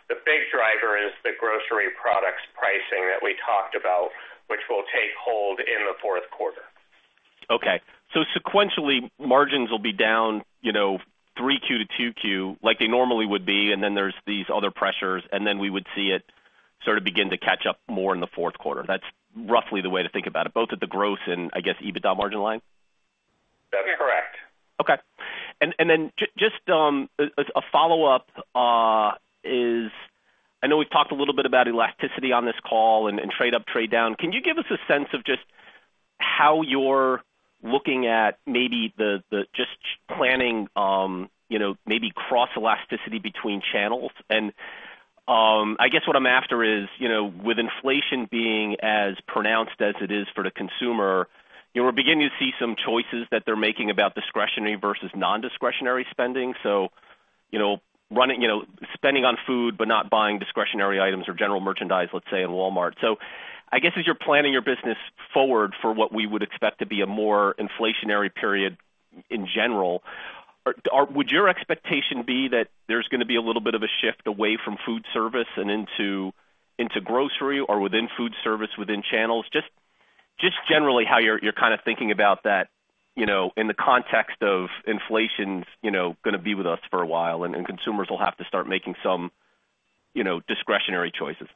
The big driver is the grocery products pricing that we talked about, which will take hold in the fourth quarter. Okay. Sequentially, margins will be down, you know, 3Q, 2Q like they normally would be, and then there's these other pressures, and then we would see it sort of begin to catch up more in the fourth quarter. That's roughly the way to think about it, both at the gross and I guess EBITDA margin line. That's correct. Okay. Just as a follow-up, I know we've talked a little bit about elasticity on this call and trade up, trade down. Can you give us a sense of just how you're looking at maybe just planning, you know, maybe cross elasticity between channels? I guess what I'm after is, you know, with inflation being as pronounced as it is for the consumer, you know, we're beginning to see some choices that they're making about discretionary versus nondiscretionary spending. You know, ramping spending on food, but not buying discretionary items or general merchandise, let's say, at Walmart. I guess as you're planning your business forward for what we would expect to be a more inflationary period in general, would your expectation be that there's gonna be a little bit of a shift away from food service and into grocery or within food service within channels? Just generally how you're kind of thinking about that, you know, in the context of inflation's, you know, gonna be with us for a while, and consumers will have to start making some, you know, discretionary choices.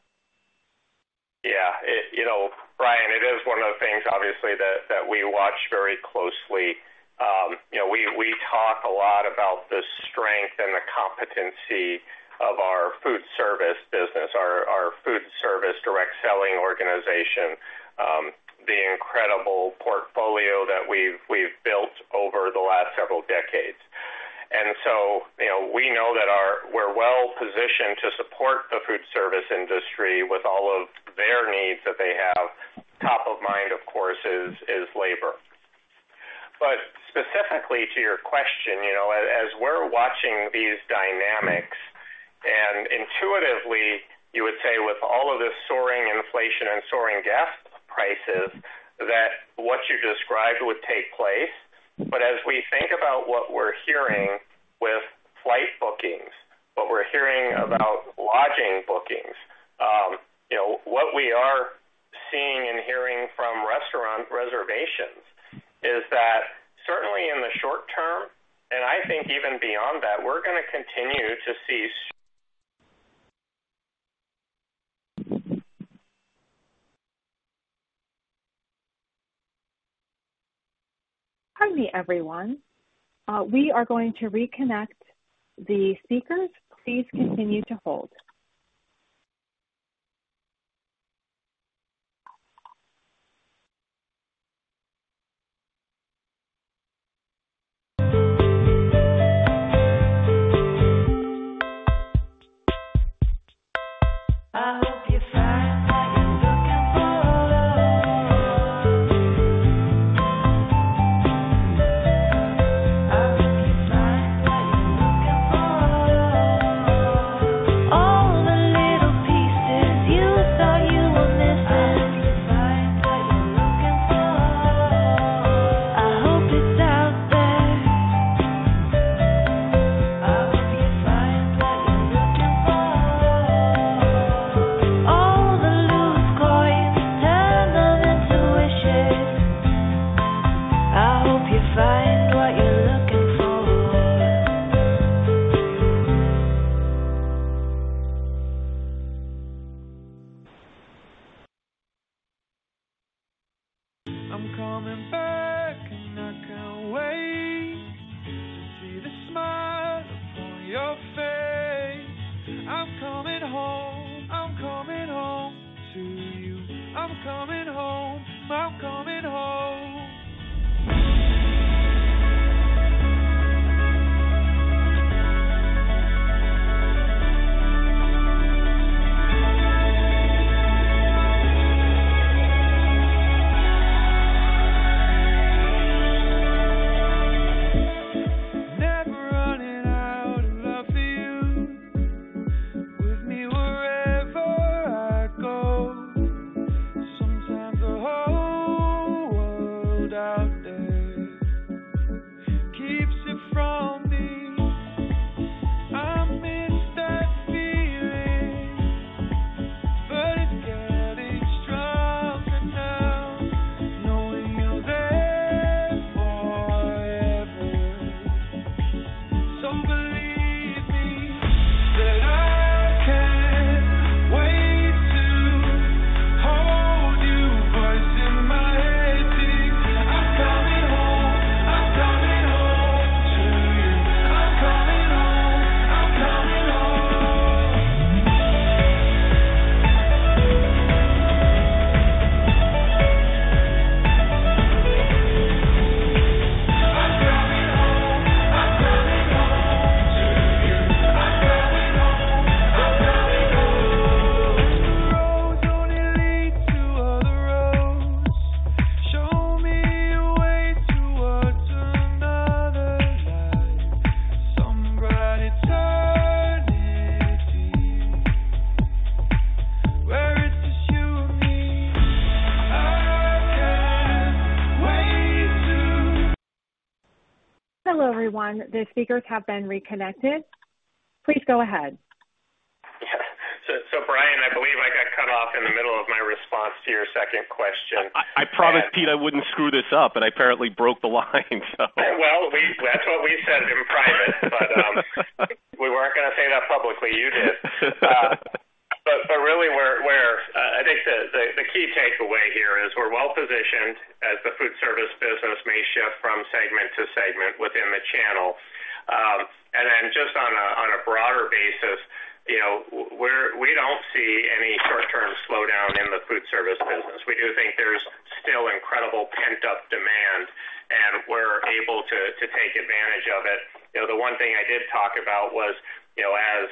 Yeah. You know, Bryan, it is one of the things obviously that we watch very closely. You know, we talk a lot about the strength and the competency of our food service business, our food service direct selling organization, the incredible portfolio that we've built over the last several decades. You know, we know that we're well positioned to support the food service industry with all of their needs that they have. Top of mind, of course, is labor. But specifically to your question, you know, as we're watching these dynamics, and intuitively you would say with all of this soaring inflation and soaring gas prices, that what you described would take place. As we think about what we're hearing with flight bookings, what we're hearing about lodging bookings, you know, what we are seeing and hearing from restaurant reservations is that certainly in the short term, and I think even beyond that, we're gonna continue to see. Pardon me, everyone. We are going to reconnect the speakers. Please continue to hold. Hello, everyone. The speakers have been reconnected. Please go ahead. Yeah. Bryan, I believe I got cut off in the middle of my response to your second question. I promised Pete I wouldn't screw this up, and I apparently broke the line, so. Well, that's what we said in private. We weren't gonna say that publicly. You did. The key takeaway here is we're well positioned as the food service business may shift from segment to segment within the channel. Just on a broader basis, you know, we don't see any short-term slowdown in the food service business. We do think there's still incredible pent-up demand, and we're able to take advantage of it. You know, the one thing I did talk about was, you know, as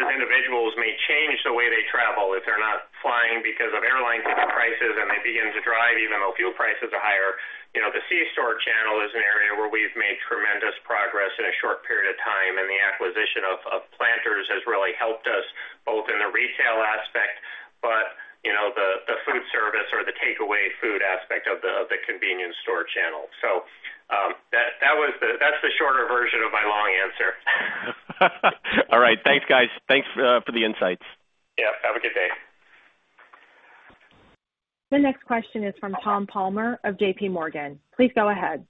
individuals may change the way they travel, if they're not flying because of airline ticket prices and they begin to drive, even though fuel prices are higher, you know, the C-store channel is an area where we've made tremendous progress in a short period of time. The acquisition of Planters has really helped us both in the retail aspect, but, you know, the food service or the takeaway food aspect of the convenience store channel. That's the shorter version of my long answer. All right. Thanks, guys. Thanks for the insights. Yeah, have a good day. The next question is from Tom Palmer of JPMorgan. Please go ahead.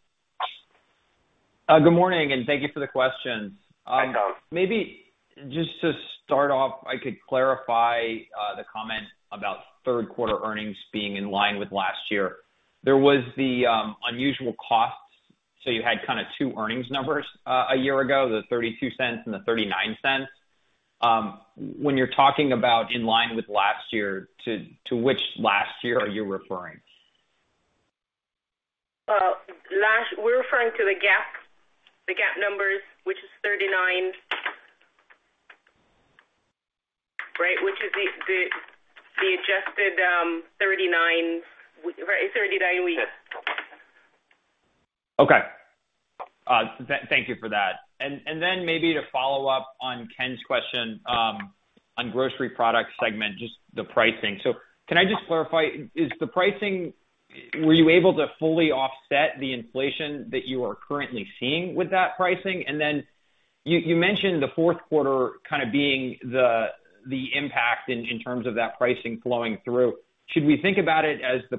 Good morning, and thank you for the questions. Thanks, Tom. Maybe just to start off, I could clarify the comment about third quarter earnings being in line with last year. There was the unusual costs. So you had kinda two earnings numbers a year ago, the $0.32 and the $0.39. When you're talking about in line with last year, to which last year are you referring? We're referring to the GAAP numbers, which is $0.39. Right, which is the adjusted $0.39. Okay. Thank you for that. Then maybe to follow up on Ken's question on Grocery Products segment, just the pricing. Can I just clarify? Were you able to fully offset the inflation that you are currently seeing with that pricing? Then you mentioned the fourth quarter kinda being the impact in terms of that pricing flowing through. Should we think about it as the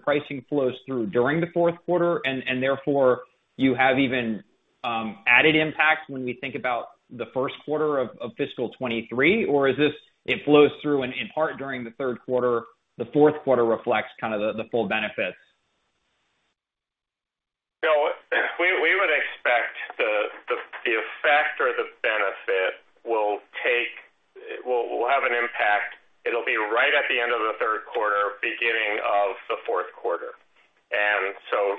pricing flows through during the fourth quarter and therefore you have even added impact when we think about the first quarter of fiscal 2023? Or it flows through in part during the third quarter, the fourth quarter reflects kinda the full benefits? We would expect the effect or the benefit will have an impact. It'll be right at the end of the third quarter, beginning of the fourth quarter.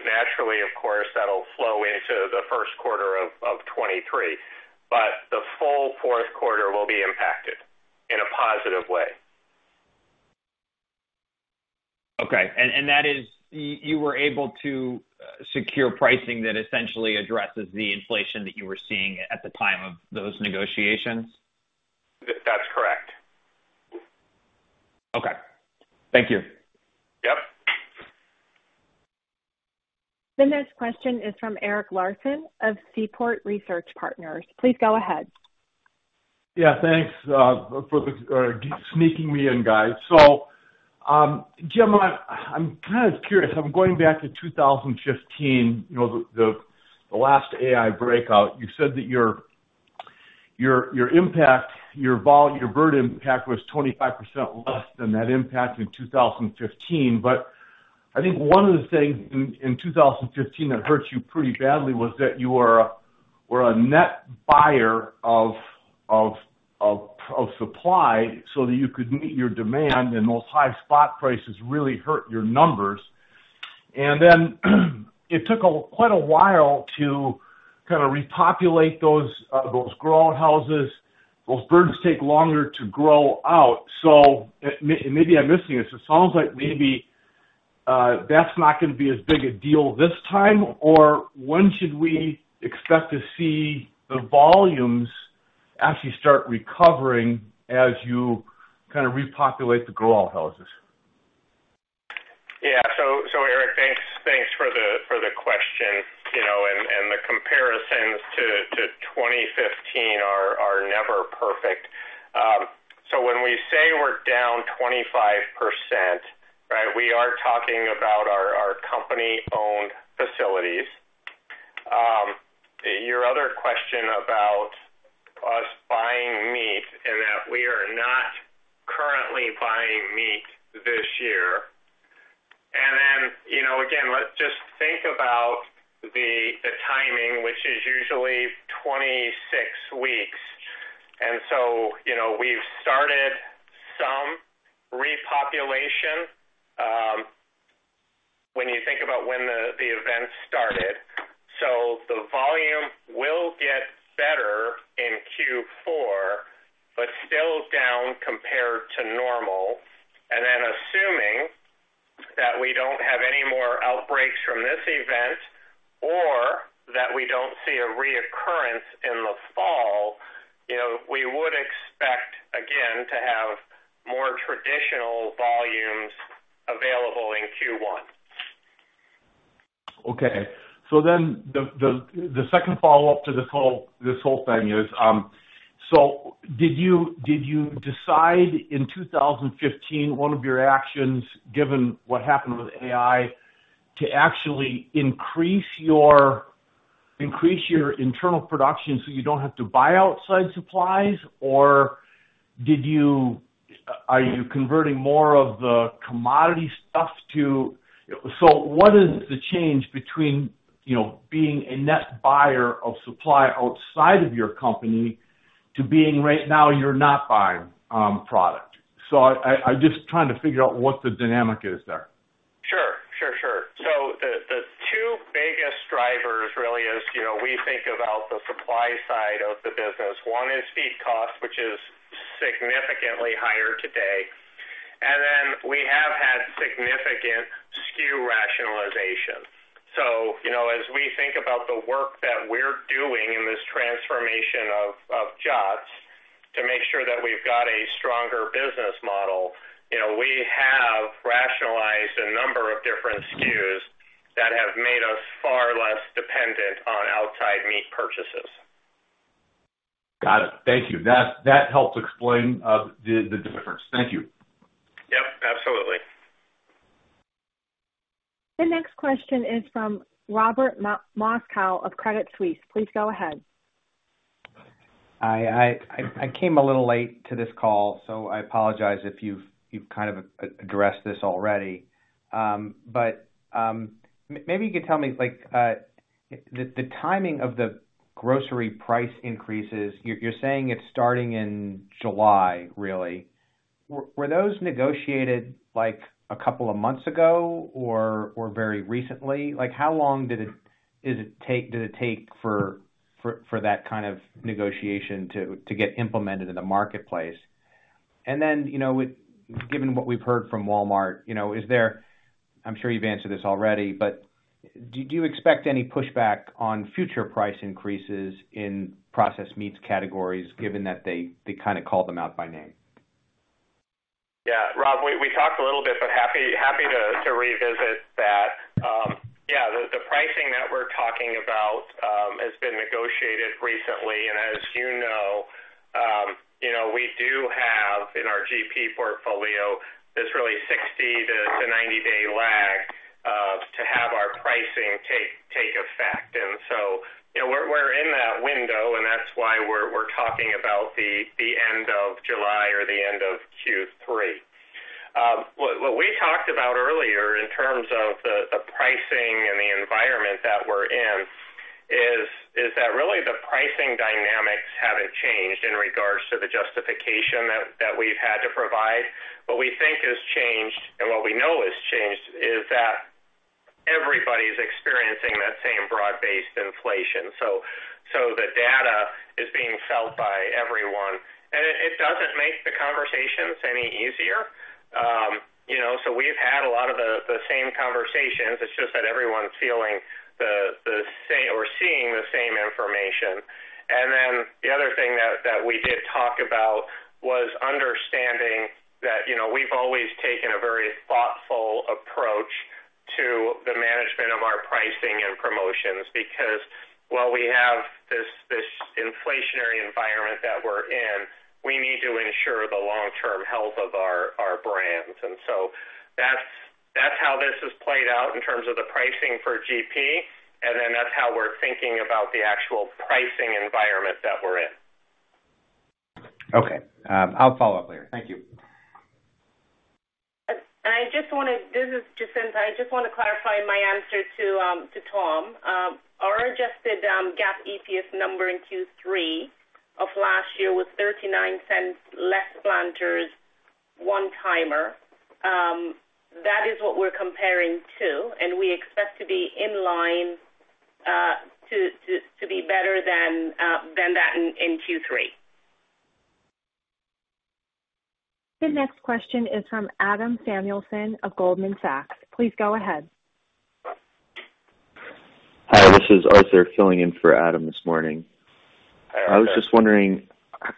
Naturally, of course, that'll flow into the first quarter of 2023. The full fourth quarter will be impacted in a positive way. Okay. That is, you were able to secure pricing that essentially addresses the inflation that you were seeing at the time of those negotiations? That's correct. Okay. Thank you. Yep. The next question is from Eric Larson of Seaport Research Partners. Please go ahead. Yeah, thanks for sneaking me in, guys. Jim, I'm kind of curious. I'm going back to 2015, the last HPAI breakout. You said that your bird impact was 25% less than that impact in 2015. I think one of the things in 2015 that hurt you pretty badly was that you were a net buyer of supply so that you could meet your demand, and those high spot prices really hurt your numbers. It took quite a while to repopulate those grow out houses. Those birds take longer to grow out. Maybe I'm missing it. It sounds like maybe that's not gonna be as big a deal this time. When should we expect to see the volumes actually start recovering as you kinda repopulate the grow out houses? Yeah. Eric, thanks for the question. You know, the comparisons to 2015 are never perfect. When we say we're down 25%, right? We are talking about our company-owned facilities. Your other question about us buying meat, and that we are not currently buying meat this year. You know, again, let's just think about the timing, which is usually 26 weeks. You know, we've started some repopulation, when you think about when the event started. The volume will get better in Q4, but still down compared to normal. Then assuming that we don't have any more outbreaks from this event or that we don't see a reoccurrence in the fall, you know, we would expect again to have more traditional volumes available in Q1. Okay. The second follow-up to this whole thing is, did you decide in 2015, one of your actions, given what happened with AI, to actually increase your internal production so you don't have to buy outside supplies? Are you converting more of the commodity stuff? What is the change between, you know, being a net buyer of supply outside of your company to being right now you're not buying product? I'm just trying to figure out what the dynamic is there. Sure. The two biggest drivers really is, you know, we think about the supply side of the business. One is feed cost, which is significantly higher today. Then we have had significant SKU rationalization. You know, as we think about the work that we're doing in this transformation of JOTS to make sure that we've got a stronger business model, you know, we have rationalized a number of different SKUs that have made us far less dependent on outside meat purchases. Got it. Thank you. That helps explain the difference. Thank you. Yep, absolutely. The next question is from Robert Moskow of Credit Suisse. Please go ahead. I came a little late to this call, so I apologize if you've kind of addressed this already. Maybe you could tell me, like, the timing of the grocery price increases, you're saying it's starting in July, really. Were those negotiated like a couple of months ago or very recently? Like, how long did it take for that kind of negotiation to get implemented in the marketplace? And then, you know, given what we've heard from Walmart, you know, I'm sure you've answered this already, but do you expect any pushback on future price increases in processed meats categories given that they kinda call them out by name? Yeah. Rob, we talked a little bit, but happy to revisit that. Yeah, the pricing that we're talking about has been negotiated recently. As you know, you know, we do have in our GP portfolio this really 60-90-day lag to have our pricing take effect. You know, we're in that window, and that's why we're talking about the end of July or the end of Q3. What we talked about earlier in terms of the pricing and the environment that we're in is that really the pricing dynamics haven't changed in regards to the justification that we've had to provide. What we think has changed and what we know has changed is that everybody's experiencing that same broad-based inflation. So the data is being felt by everyone. It doesn't make the conversations any easier. You know, we've had a lot of the same conversations. It's just that everyone's feeling the same or seeing the same information. The other thing that we did talk about was understanding that, you know, we've always taken a very thoughtful approach to the management of our pricing and promotions, because while we have this inflationary environment that we're in, we need to ensure the long-term health of our brands. That's how this has played out in terms of the pricing for GP, and then that's how we're thinking about the actual pricing environment that we're in. Okay. I'll follow up later. Thank you. This is Jacinth. I just wanna clarify my answer to Tom. Our adjusted GAAP EPS number in Q3 of last year was $0.39 less Planters one-timer. That is what we're comparing to, and we expect to be in line to be better than that in Q3. The next question is from Adam Samuelson of Goldman Sachs. Please go ahead. Hi, this is Arthur filling in for Adam this morning. Hi, Arthur. I was just wondering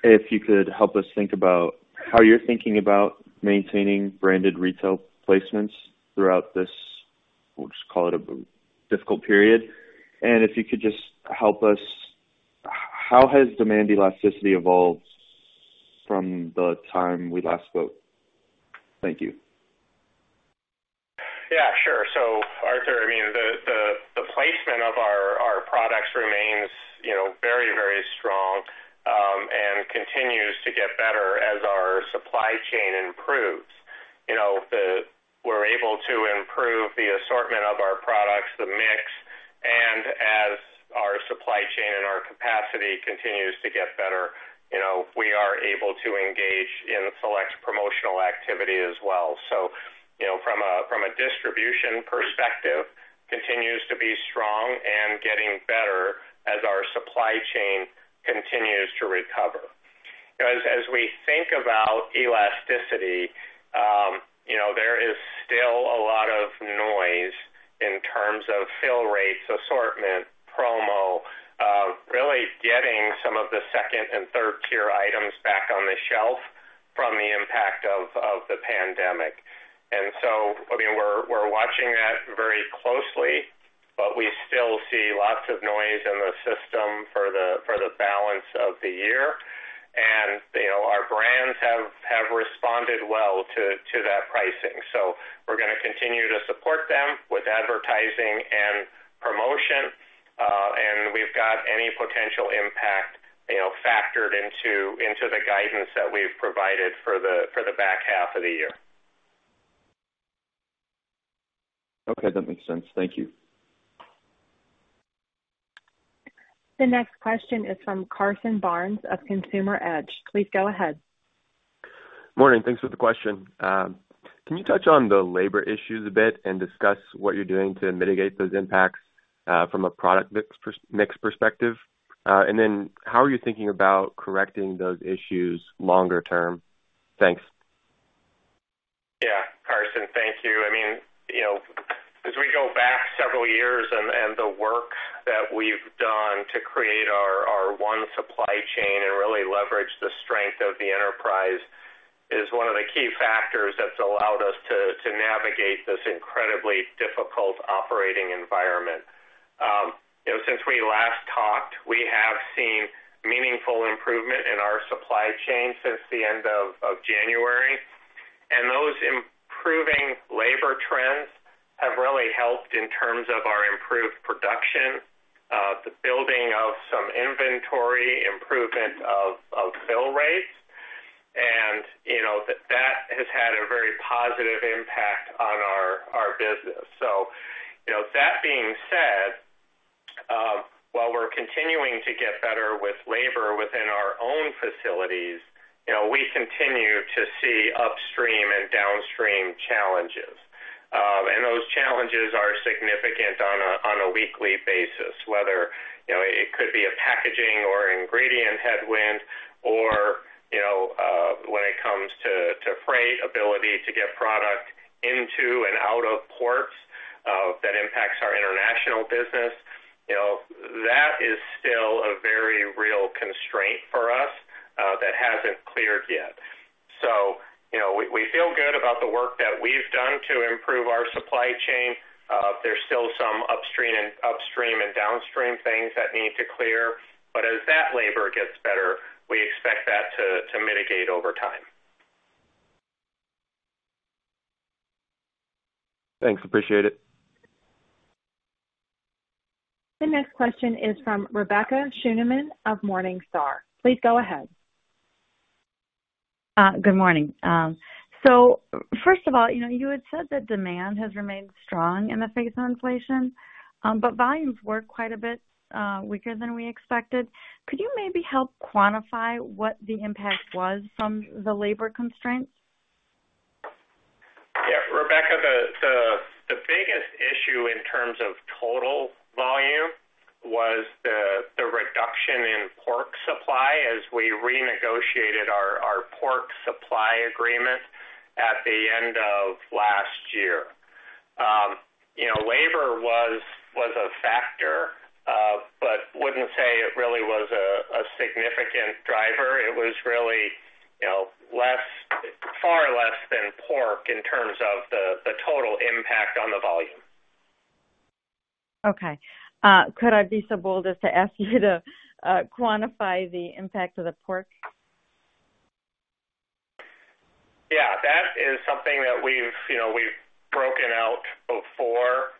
if you could help us think about how you're thinking about maintaining branded retail placements throughout this, we'll just call it a difficult period. If you could just help us, how has demand elasticity evolved from the time we last spoke? Thank you. Yeah, sure. Arthur, I mean, the placement of our products remains, you know, very strong and continues to get better as our supply chain improves. You know, we're able to improve the assortment of our products, the mix. As our supply chain and our capacity continues to get better, you know, we are able to engage in select promotional activity as well. From a distribution perspective, continues to be strong and getting better as our supply chain continues to recover. As we think about elasticity, you know, there is still a lot of noise in terms of fill rates, assortment, promo, really getting some of the second and third-tier items back on the shelf from the impact of the pandemic. I mean, we're watching that very closely, but we still see lots of noise in the system for the balance of the year. You know, our brands have responded well to that pricing. We're gonna continue to support them with advertising and promotion. We've got any potential impact, you know, factored into the guidance that we've provided for the back half of the year. Okay, that makes sense. Thank you. The next question is from Carson Barnes of Consumer Edge. Please go ahead. Morning. Thanks for the question. Can you touch on the labor issues a bit and discuss what you're doing to mitigate those impacts from a product mix perspective? How are you thinking about correcting those issues longer term? Thanks. Yeah. Carson, thank you. I mean, you know, as we go back several years and the work that we've done to create our One Supply Chain and really leverage the strength of the enterprise is one of the key factors that's allowed us to navigate this incredibly difficult operating environment. You know, since we last talked, we have seen meaningful improvement in our supply chain since the end of January. Those improving labor trends have really helped in terms of our improved production, the building of some inventory, improvement of fill rates. You know, that has had a very positive impact on our business. You know, that being said, while we're continuing to get better with labor within our own facilities, you know, we continue to see upstream and downstream challenges. Those challenges are significant on a weekly basis, whether you know, it could be a packaging or ingredient headwind or you know, when it comes to freight ability to get product into and out of ports, that impacts our international business. You know, that is still a very real constraint for us, that hasn't cleared yet. You know, we feel good about the work that we've done to improve our supply chain. There's still some upstream and downstream things that need to clear, but as that labor gets better, we expect that to mitigate over time. Thanks, appreciate it. The next question is from Rebecca Scheuneman of Morningstar. Please go ahead. Good morning. First of all, you know, you had said that demand has remained strong in the face of inflation, but volumes were quite a bit weaker than we expected. Could you maybe help quantify what the impact was from the labor constraints? Yeah. Rebecca, the biggest issue in terms of total volume was the reduction in pork supply as we renegotiated our pork supply agreement at the end of last year. You know, labor was a factor, but wouldn't say it really was a significant driver. It was really, you know, far less than pork in terms of the total impact on the volume. Okay. Could I be so bold as to ask you to quantify the impact of the pork? Yeah, that is something that we've, you know, we've broken out before.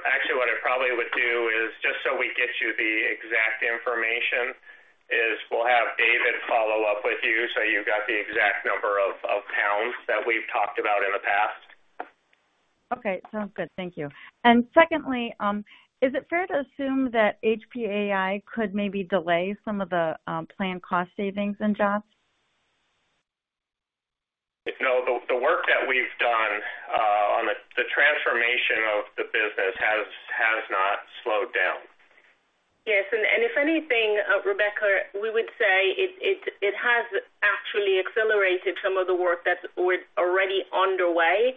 Actually what I probably would do is just so we get you the exact information, is we'll have David follow up with you, so you've got the exact number of pounds that we've talked about in the past. Okay, sounds good. Thank you. Secondly, is it fair to assume that HPAI could maybe delay some of the planned cost savings in JOTS? No, the work that we've done on the transformation of the business has not slowed down. Yes. If anything, Rebecca, we would say it has actually accelerated some of the work that was already underway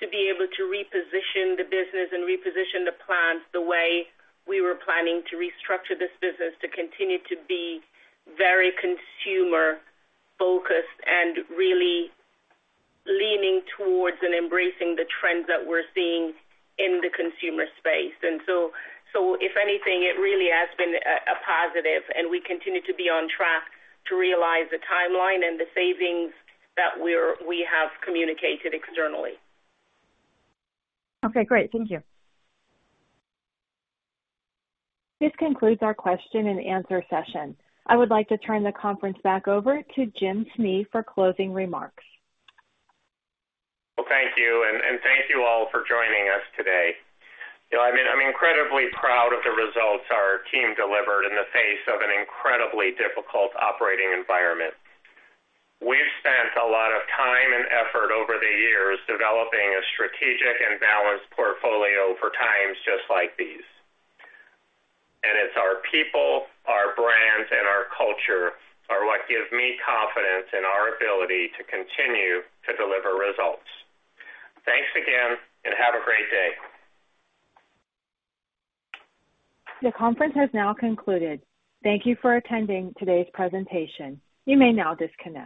to be able to reposition the business and reposition the plants the way we were planning to restructure this business to continue to be very consumer-focused and really leaning towards and embracing the trends that we're seeing in the consumer space. If anything, it really has been a positive, and we continue to be on track to realize the timeline and the savings that we have communicated externally. Okay, great. Thank you. This concludes our question-and-answer session. I would like to turn the conference back over to Jim Snee for closing remarks. Well, thank you, and thank you all for joining us today. You know, I'm incredibly proud of the results our team delivered in the face of an incredibly difficult operating environment. We've spent a lot of time and effort over the years developing a strategic and balanced portfolio for times just like these. It's our people, our brands, and our culture are what give me confidence in our ability to continue to deliver results. Thanks again, and have a great day. The conference has now concluded. Thank you for attending today's presentation. You may now disconnect.